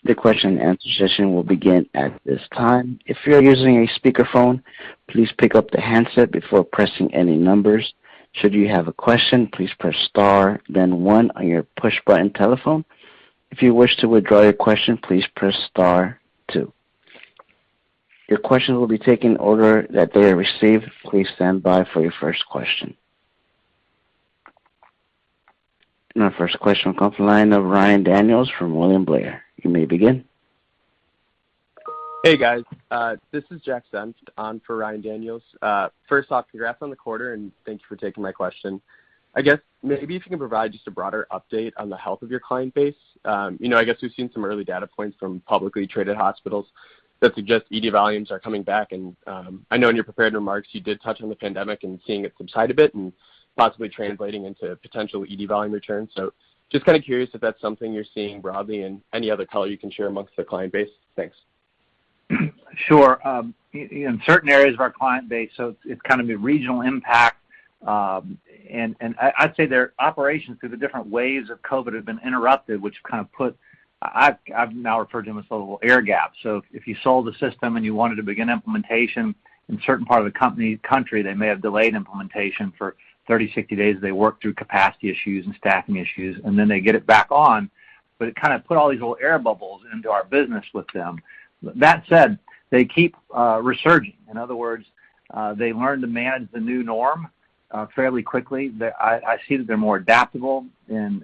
The question and answer session will begin at this time. If you're using a speakerphone, please pick up the handset before pressing any numbers. Should you have a question, please press star then one on your push-button telephone. If you wish to withdraw your question, please press star two. Your questions will be taken in order that they are received. Please stand by for your first question. Our first question will come from the line of Ryan Daniels from William Blair. You may begin. Hey, guys. This is Jack Senft on for Ryan Daniels. First off, congrats on the quarter, and thank you for taking my question. I guess maybe if you can provide just a broader update on the health of your client base? You know, I guess we've seen some early data points from publicly traded hospitals that suggest ED volumes are coming back. I know in your prepared remarks you did touch on the pandemic and seeing it subside a bit and possibly translating into potential ED volume returns. Just kind of curious if that's something you're seeing broadly and any other color you can share amongst the client base? Thanks. Sure. In certain areas of our client base, so it's kind of been regional impact. I'd say their operations through the different waves of COVID have been interrupted, which kind of put I've now referred to them as little air gaps. If you sold a system and you wanted to begin implementation in a certain part of the country, they may have delayed implementation for 30, 60 days as they work through capacity issues and staffing issues, and then they get it back on. It kind of put all these little air bubbles into our business with them. That said, they keep resurging. In other words, they learn to manage the new norm fairly quickly. I see that they're more adaptable in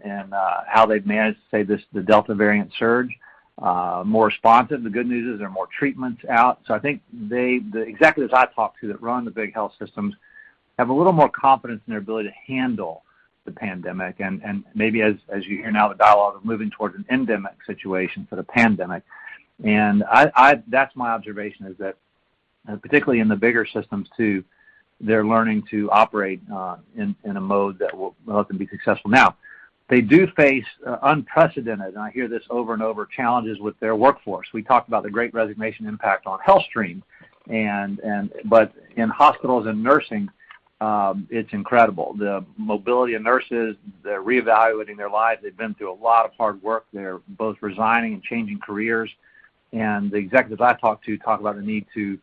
how they've managed the Delta variant surge more responsive. The good news is there are more treatments out. I think the executives I talk to that run the big health systems have a little more confidence in their ability to handle the pandemic. Maybe as you hear now the dialogue of moving towards an endemic situation for the pandemic. That's my observation is that particularly in the bigger systems, too, they're learning to operate in a mode that will let them be successful now. They do face unprecedented, and I hear this over and over, challenges with their workforce. We talked about the Great Resignation impact on HealthStream, but in hospitals and nursing, it's incredible. The mobility of nurses, they're reevaluating their lives. They've been through a lot of hard work. They're both resigning and changing careers. The executives I talk to talk about the need to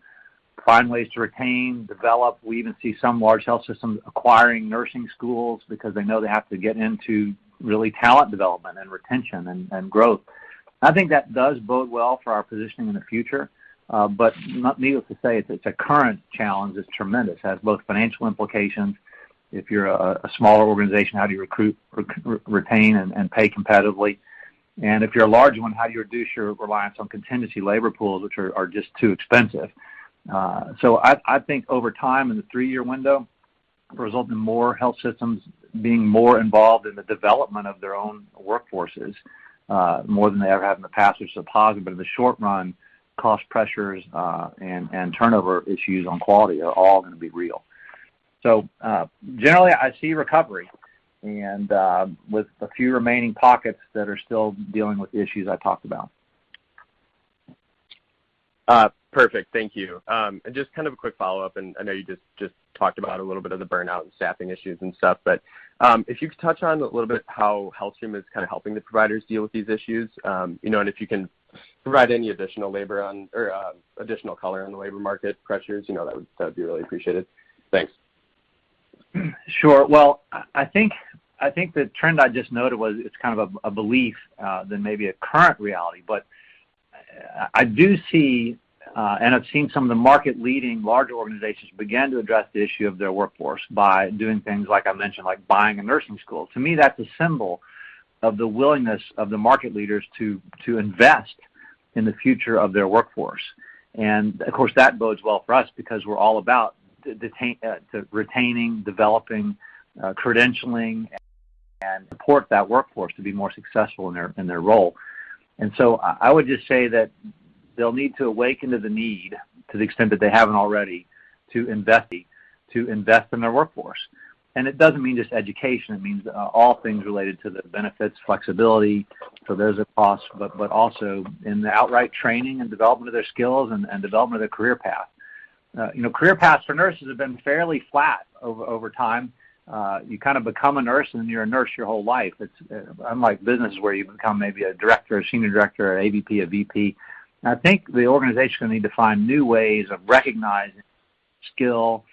find ways to retain, develop. We even see some large health systems acquiring nursing schools because they know they have to get into really talent development and retention and growth. I think that does bode well for our positioning in the future. Needless to say, it's a current challenge. It's tremendous. It has both financial implications. If you're a smaller organization, how do you recruit, retain, and pay competitively? If you're a large one, how do you reduce your reliance on contingency labor pools, which are just too expensive? I think over time, in the three-year window, result in more health systems being more involved in the development of their own workforces, more than they ever have in the past, which is a positive. In the short run, cost pressures and turnover issues on quality are all gonna be real. Generally, I see recovery and with a few remaining pockets that are still dealing with the issues I talked about. Perfect. Thank you. Just kind of a quick follow-up, and I know you just talked about a little bit of the burnout and staffing issues and stuff. If you could touch on a little bit how HealthStream is kinda helping the providers deal with these issues, you know, and if you can provide any additional color on the labor market pressures, you know, that would be really appreciated. Thanks. Sure. Well, I think the trend I just noted was it's kind of a belief rather than maybe a current reality. I do see and I've seen some of the market-leading larger organizations begin to address the issue of their workforce by doing things like I mentioned, like buying a nursing school. To me, that's a symbol of the willingness of the market leaders to invest in the future of their workforce. Of course, that bodes well for us because we're all about the retaining, developing, credentialing and support that workforce to be more successful in their role. I would just say that they'll need to awaken to the need, to the extent that they haven't already, to invest in their workforce. It doesn't mean just education. It means all things related to the benefits, flexibility. There's a cost, but also in the outright training and development of their skills and development of their career path. You know, career paths for nurses have been fairly flat over time. You kind of become a nurse, and you're a nurse your whole life. It's unlike business where you become maybe a Director, a Senior Director, an AVP, a VP. I think the organization will need to find new ways of recognizing skill,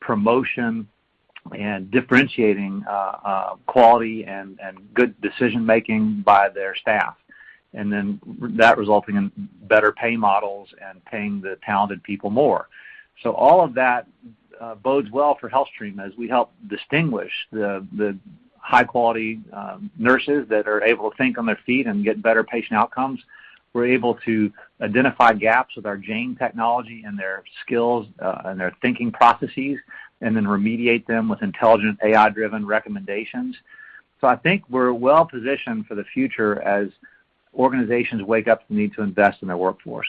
promotion, and differentiating quality and good decision-making by their staff, and then that resulting in better pay models and paying the talented people more. All of that bodes well for HealthStream as we help distinguish the high-quality nurses that are able to think on their feet and get better patient outcomes. We're able to identify gaps with our Jane technology and their skills and their thinking processes, and then remediate them with intelligent AI-driven recommendations. I think we're well positioned for the future as organizations wake up to the need to invest in their workforce.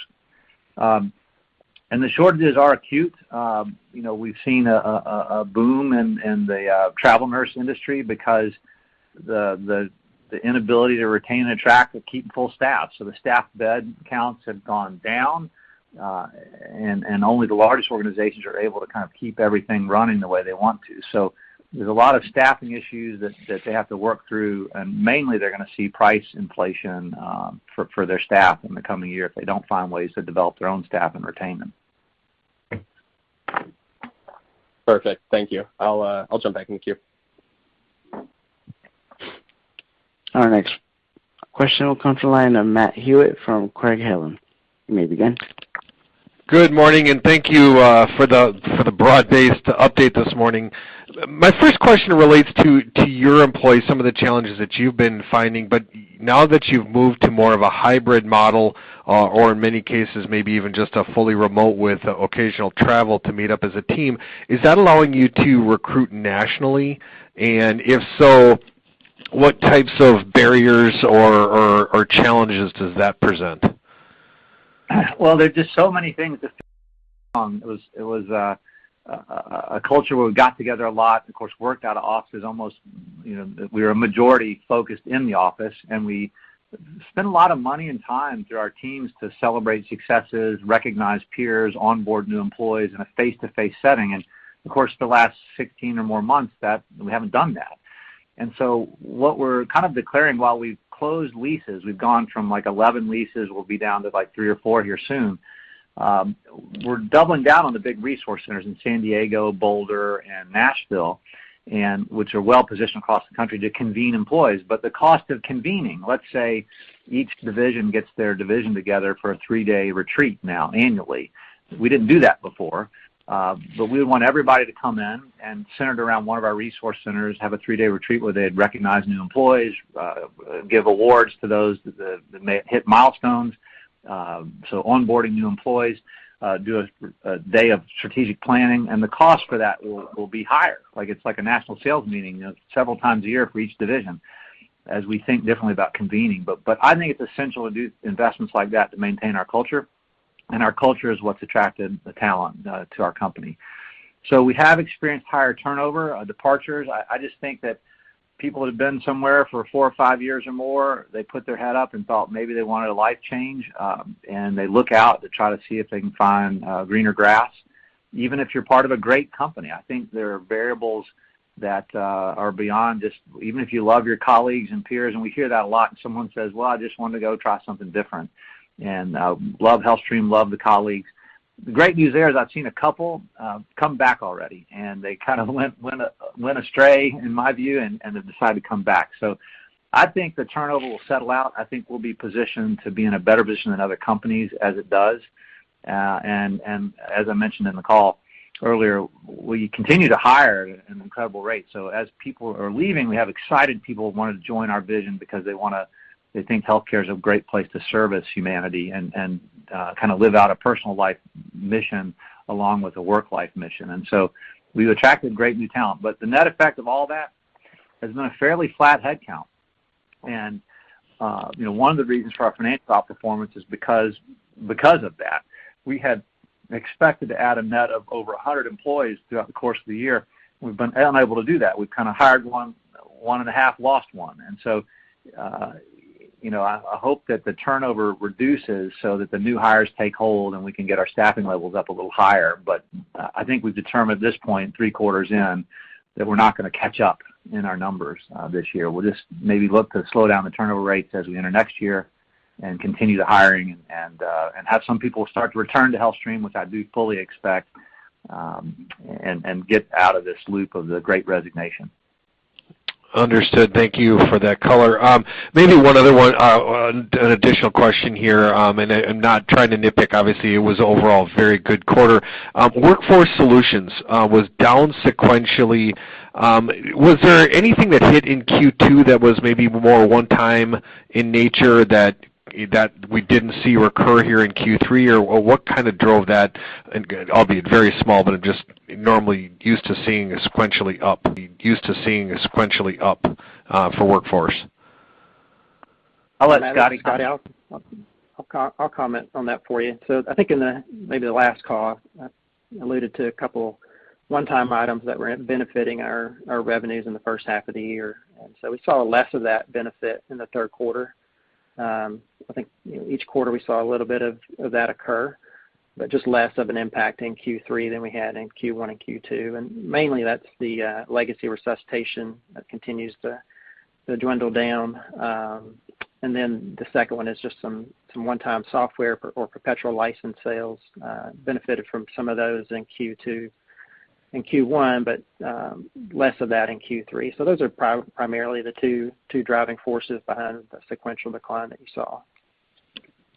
The shortages are acute. You know, we've seen a boom in the travel nurse industry because the inability to retain and attract will keep full staff. The staff bed counts have gone down, and only the largest organizations are able to kind of keep everything running the way they want to. There's a lot of staffing issues that they have to work through, and mainly they're gonna see price inflation for their staff in the coming year if they don't find ways to develop their own staff and retain them. Perfect. Thank you. I'll jump back in the queue. Our next question will come from the line of Matthew Hewitt from Craig-Hallum. You may begin. Good morning, and thank you for the broad-based update this morning. My first question relates to your employees, some of the challenges that you've been finding. Now that you've moved to more of a hybrid model or in many cases maybe even just a fully remote with occasional travel to meet up as a team, is that allowing you to recruit nationally? If so, what types of barriers or challenges does that present? It was a culture where we got together a lot and of course, worked out of offices almost, you know, we were a majority focused in the office, and we spent a lot of money and time through our teams to celebrate successes, recognize peers, onboard new employees in a face-to-face setting. Of course, the last 16 or more months that we haven't done that. What we're kind of declaring while we've closed leases, we've gone from like 11 leases, we'll be down to like three or four here soon. We're doubling down on the big resource centers in San Diego, Boulder, and Nashville, which are well-positioned across the country to convene employees. The cost of convening, let's say each division gets their division together for a three-day retreat now annually. We didn't do that before, but we want everybody to come in and centered around one of our resource centers, have a three-day retreat where they'd recognize new employees, give awards to those that may hit milestones, onboarding new employees, do a day of strategic planning, and the cost for that will be higher. Like, it's like a national sales meeting several times a year for each division as we think differently about convening. But I think it's essential to do investments like that to maintain our culture. Our culture is what's attracted the talent to our company. We have experienced higher turnover, departures. I just think that people who've been somewhere for four or five years or more, they put their head up and thought maybe they wanted a life change, and they look out to try to see if they can find greener grass. Even if you're part of a great company, I think there are variables that are beyond just even if you love your colleagues and peers, and we hear that a lot, and someone says, "Well, I just wanted to go try something different." love HealthStream, love the colleagues. The great news there is I've seen a couple come back already, and they kind of went astray, in my view, and have decided to come back. I think the turnover will settle out. I think we'll be positioned to be in a better position than other companies as it does. As I mentioned in the call earlier, we continue to hire at an incredible rate. As people are leaving, we have excited people who wanna join our vision because they think healthcare is a great place to serve humanity and kinda live out a personal life mission along with a work life mission. We've attracted great new talent. The net effect of all that has been a fairly flat head count. You know, one of the reasons for our financial outperformance is because of that. We had expected to add a net of over 100 employees throughout the course of the year. We've been unable to do that. We've kinda hired one and a half, lost one. You know, I hope that the turnover reduces so that the new hires take hold, and we can get our staffing levels up a little higher. But I think we've determined at this point, three quarters in, that we're not gonna catch up in our numbers this year. We'll just maybe look to slow down the turnover rates as we enter next year and continue the hiring and have some people start to return to HealthStream, which I do fully expect, and get out of this loop of the Great Resignation. Understood. Thank you for that color. Maybe one other one. An additional question here, and not trying to nitpick, obviously, it was overall a very good quarter. Workforce Solutions was down sequentially. Was there anything that hit in Q2 that was maybe more one-time in nature that we didn't see recur here in Q3? Or what kind of drove that? Albeit very small, but just normally used to seeing sequentially up. We're used to seeing sequentially up for Workforce. I'll let Scotty. I'll comment on that for you. I think in the maybe the last call, I alluded to a couple one-time items that were benefiting our revenues in the first half of the year. We saw less of that benefit in the third quarter. I think you know each quarter we saw a little bit of that occur, but just less of an impact in Q3 than we had in Q1 and Q2. Mainly that's the legacy resuscitation that continues to dwindle down. The second one is just some one-time software or perpetual license sales benefited from some of those in Q2 and Q1, but less of that in Q3. Those are primarily the two driving forces behind the sequential decline that you saw.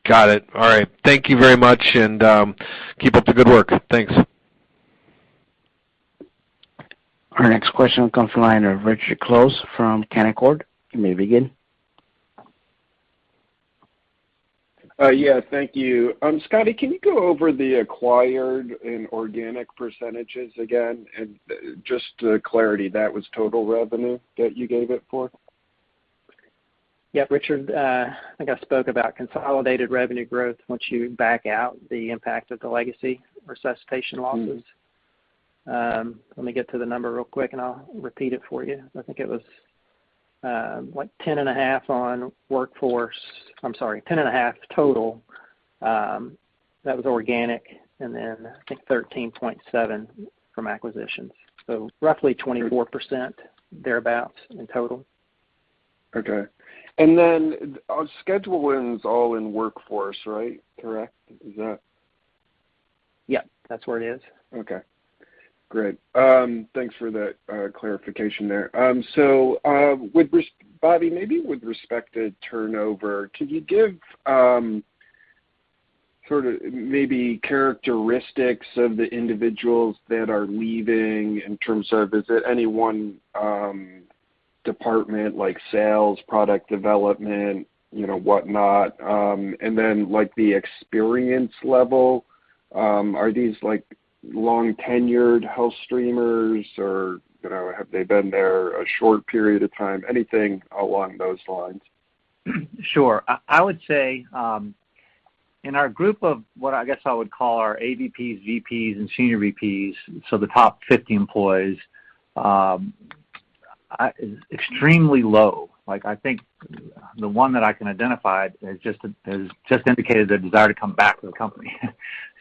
Got it. All right. Thank you very much, and keep up the good work. Thanks. Our next question comes from the line of Richard Close from Canaccord. You may begin. Yeah, thank you. Scotty, can you go over the acquired and organic percentages again? Just for clarity, that was total revenue that you gave it for? Yeah, Richard, I think I spoke about consolidated revenue growth once you back out the impact of the legacy resuscitation losses. Let me get to the number real quick, and I'll repeat it for you. I think it was 10.5% total, that was organic, and then I think 13.7% from acquisitions. So roughly 24% thereabout in total. Okay. Schedule wins all in Workforce, right? Correct? Is that? Yeah. That's where it is. Okay. Great. Thanks for that clarification there. Bobby, maybe with respect to turnover, could you give sort of maybe characteristics of the individuals that are leaving in terms of, is it any one department, like sales, product development, you know, whatnot? And then, like, the experience level, are these, like, long-tenured HealthStreamers, or, you know, have they been there a short period of time? Anything along those lines? Sure. I would say in our group of what I guess I would call our AVPs, VPs, and senior VPs, so the top 50 employees, extremely low. Like, I think the one that I can identify has just indicated a desire to come back to the company.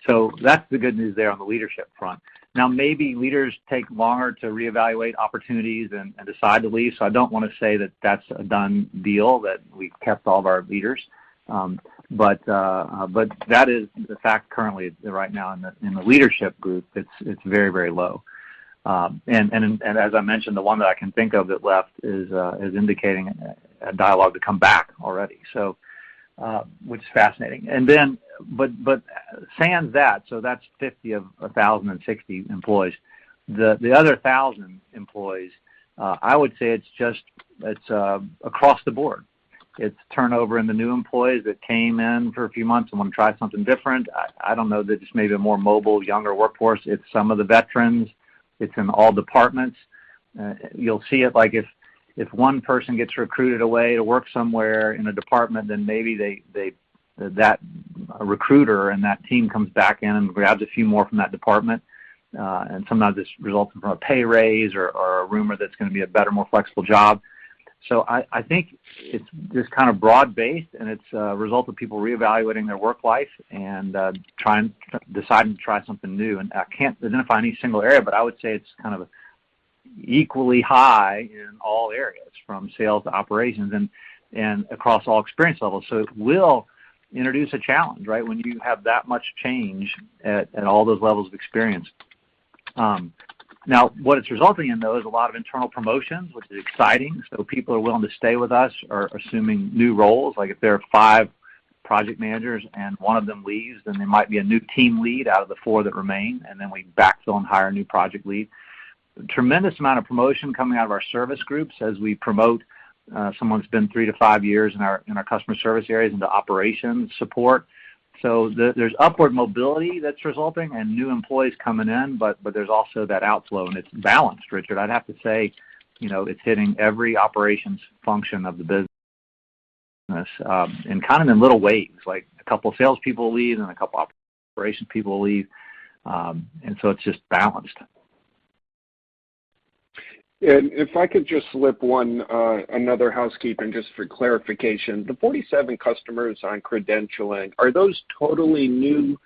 That's the good news there on the leadership front. Now, maybe leaders take longer to reevaluate opportunities and decide to leave, so I don't wanna say that that's a done deal, that we've kept all of our leaders. That is the fact currently right now in the leadership group. It's very low. As I mentioned, the one that I can think of that left is indicating a dialogue to come back already, so, which is fascinating. Sans that's 50 of a 1,000 and 60 employees. The other 1,000 employees, I would say it's just across the board. It's turnover in the new employees that came in for a few months and wanna try something different. I don't know. They're just maybe a more mobile, younger workforce. It's some of the veterans. It's in all departments. You'll see it, like if one person gets recruited away to work somewhere in a department, then maybe they that recruiter and that team comes back in and grabs a few more from that department. Sometimes this results from a pay raise or a rumor that it's gonna be a better, more flexible job. I think it's just kind of broad-based, and it's a result of people reevaluating their work life and deciding to try something new. I can't identify any single area, but I would say it's kind of equally high in all areas, from sales to operations and across all experience levels. It will introduce a challenge, right, when you have that much change at all those levels of experience. Now what it's resulting in, though, is a lot of internal promotions, which is exciting. People are willing to stay with us or assuming new roles. Like if there are five project managers and one of them leaves, then there might be a new team lead out of the four that remain, and then we backfill and hire a new project lead. Tremendous amount of promotion coming out of our service groups as we promote someone who's been three to five years in our customer service areas into operations support. There's upward mobility that's resulting and new employees coming in, but there's also that outflow and it's balanced, Richard. I'd have to say, you know, it's hitting every operations function of the business and kind of in little waves, like a couple sales people leave and a couple operations people leave. It's just balanced. If I could just slip in another housekeeping just for clarification. The 47 customers on credentialing, are those totally new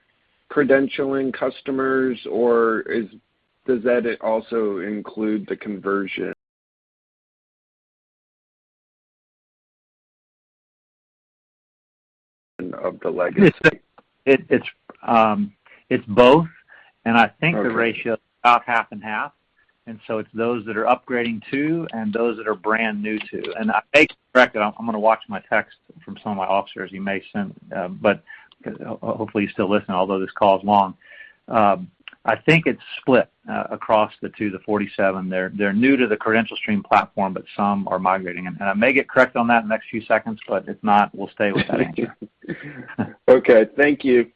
credentialing customers, or does that also include the conversion of the legacy? It's both. Okay. I think the ratio is about half and half. It's those that are upgrading, too, and those that are brand new, too. I may correct it. I'm gonna watch my text from some of my officers you may send, but hopefully you still listen, although this call is long. I think it's split across the two, the 47. They're new to the CredentialStream platform, but some are migrating. I may get corrected on that in the next few seconds, but if not, we'll stay with that answer. Okay. Thank you.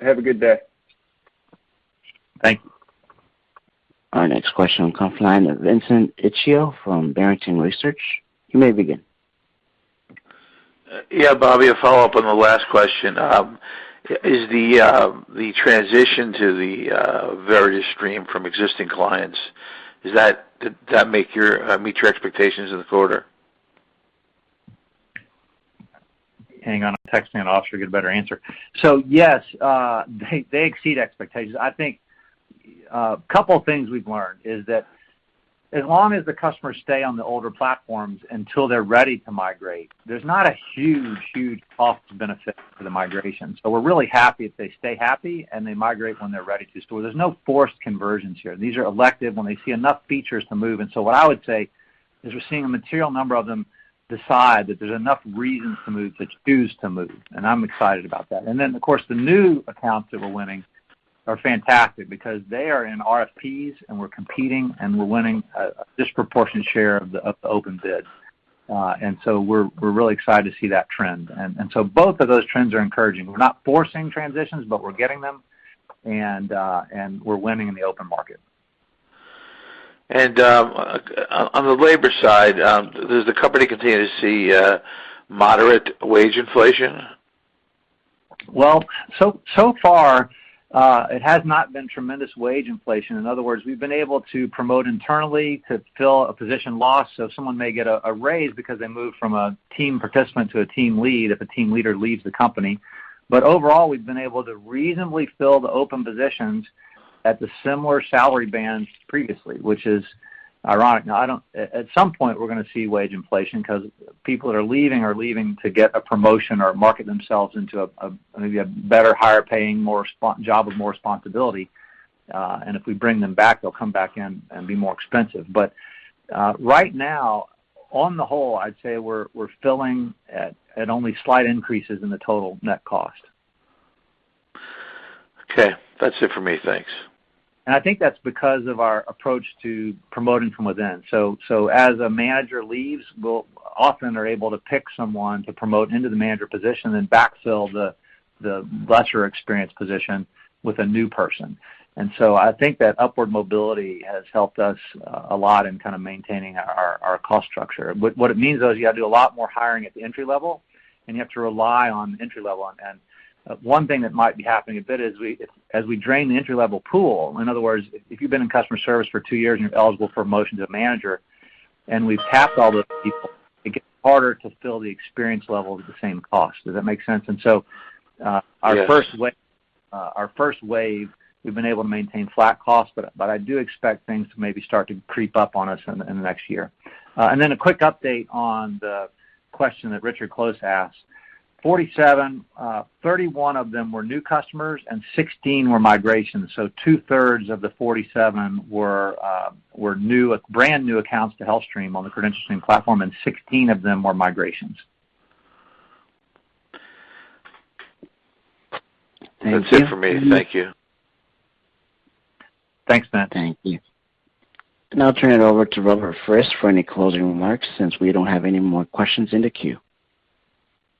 Have a good day. Thank you. Our next question comes from the line of Vincent Colicchio from Barrington Research. You may begin. Yeah, Bobby, a follow-up on the last question. Is the transition to the VerityStream from existing clients, did that meet your expectations in the quarter? Hang on. I'm texting an officer to get a better answer. Yes, they exceed expectations. I think a couple of things we've learned is that as long as the customers stay on the older platforms until they're ready to migrate, there's not a huge cost benefit to the migration. We're really happy if they stay happy and they migrate when they're ready to. There's no forced conversions here. These are elective when they see enough features to move. What I would say is we're seeing a material number of them decide that there's enough reason to move to choose to move, and I'm excited about that. Of course, the new accounts that we're winning are fantastic because they are in RFPs, and we're competing, and we're winning a disproportionate share of the open bids. We're really excited to see that trend. Both of those trends are encouraging. We're not forcing transitions, but we're getting them and we're winning in the open market. On the labor side, does the company continue to see moderate wage inflation? So far, it has not been tremendous wage inflation. In other words, we've been able to promote internally to fill a position loss. Someone may get a raise because they moved from a team participant to a team lead if a team leader leaves the company. Overall, we've been able to reasonably fill the open positions at the similar salary bands previously, which is ironic. At some point, we're gonna see wage inflation 'cause people that are leaving are leaving to get a promotion or market themselves into a maybe a better, higher paying job with more responsibility. If we bring them back, they'll come back in and be more expensive. Right now, on the whole, I'd say we're filling at only slight increases in the total net cost. Okay. That's it for me. Thanks. I think that's because of our approach to promoting from within. As a manager leaves, we're often able to pick someone to promote into the manager position then backfill the less experienced position with a new person. I think that upward mobility has helped us a lot in kind of maintaining our cost structure. What it means, though, is you got to do a lot more hiring at the entry-level, and you have to rely on the entry-level. One thing that might be happening a bit is we as we drain the entry-level pool, in other words, if you've been in customer service for two years and you're eligible for a promotion to a manager, and we've tapped all those people, it gets harder to fill the experience level at the same cost. Does that make sense? And so, uh- Yes. Our first wave, we've been able to maintain flat costs, but I do expect things to maybe start to creep up on us in the next year. A quick update on the question that Richard Close asked. 47, 31 of them were new customers and 16 were migrations. 2/3 of the 47 were new, brand new accounts to HealthStream on the CredentialStream platform, and 16 of them were migrations. That's it for me. Thank you. Thanks, Matt. Thank you. Now I turn it over to Robert A. Frist Jr. for any closing remarks since we don't have any more questions in the queue.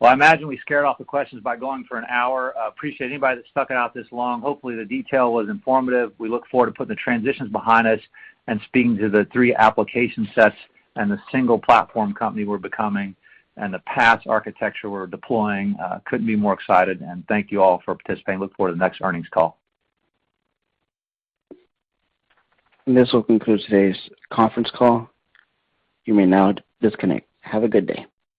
Well, I imagine we scared off the questions by going for an hour. I appreciate anybody that stuck it out this long. Hopefully, the detail was informative. We look forward to putting the transitions behind us and speaking to the three application sets and the single platform company we're becoming and the SaaS architecture we're deploying. Couldn't be more excited. Thank you all for participating. Look forward to the next earnings call. This will conclude today's conference call. You may now disconnect. Have a good day.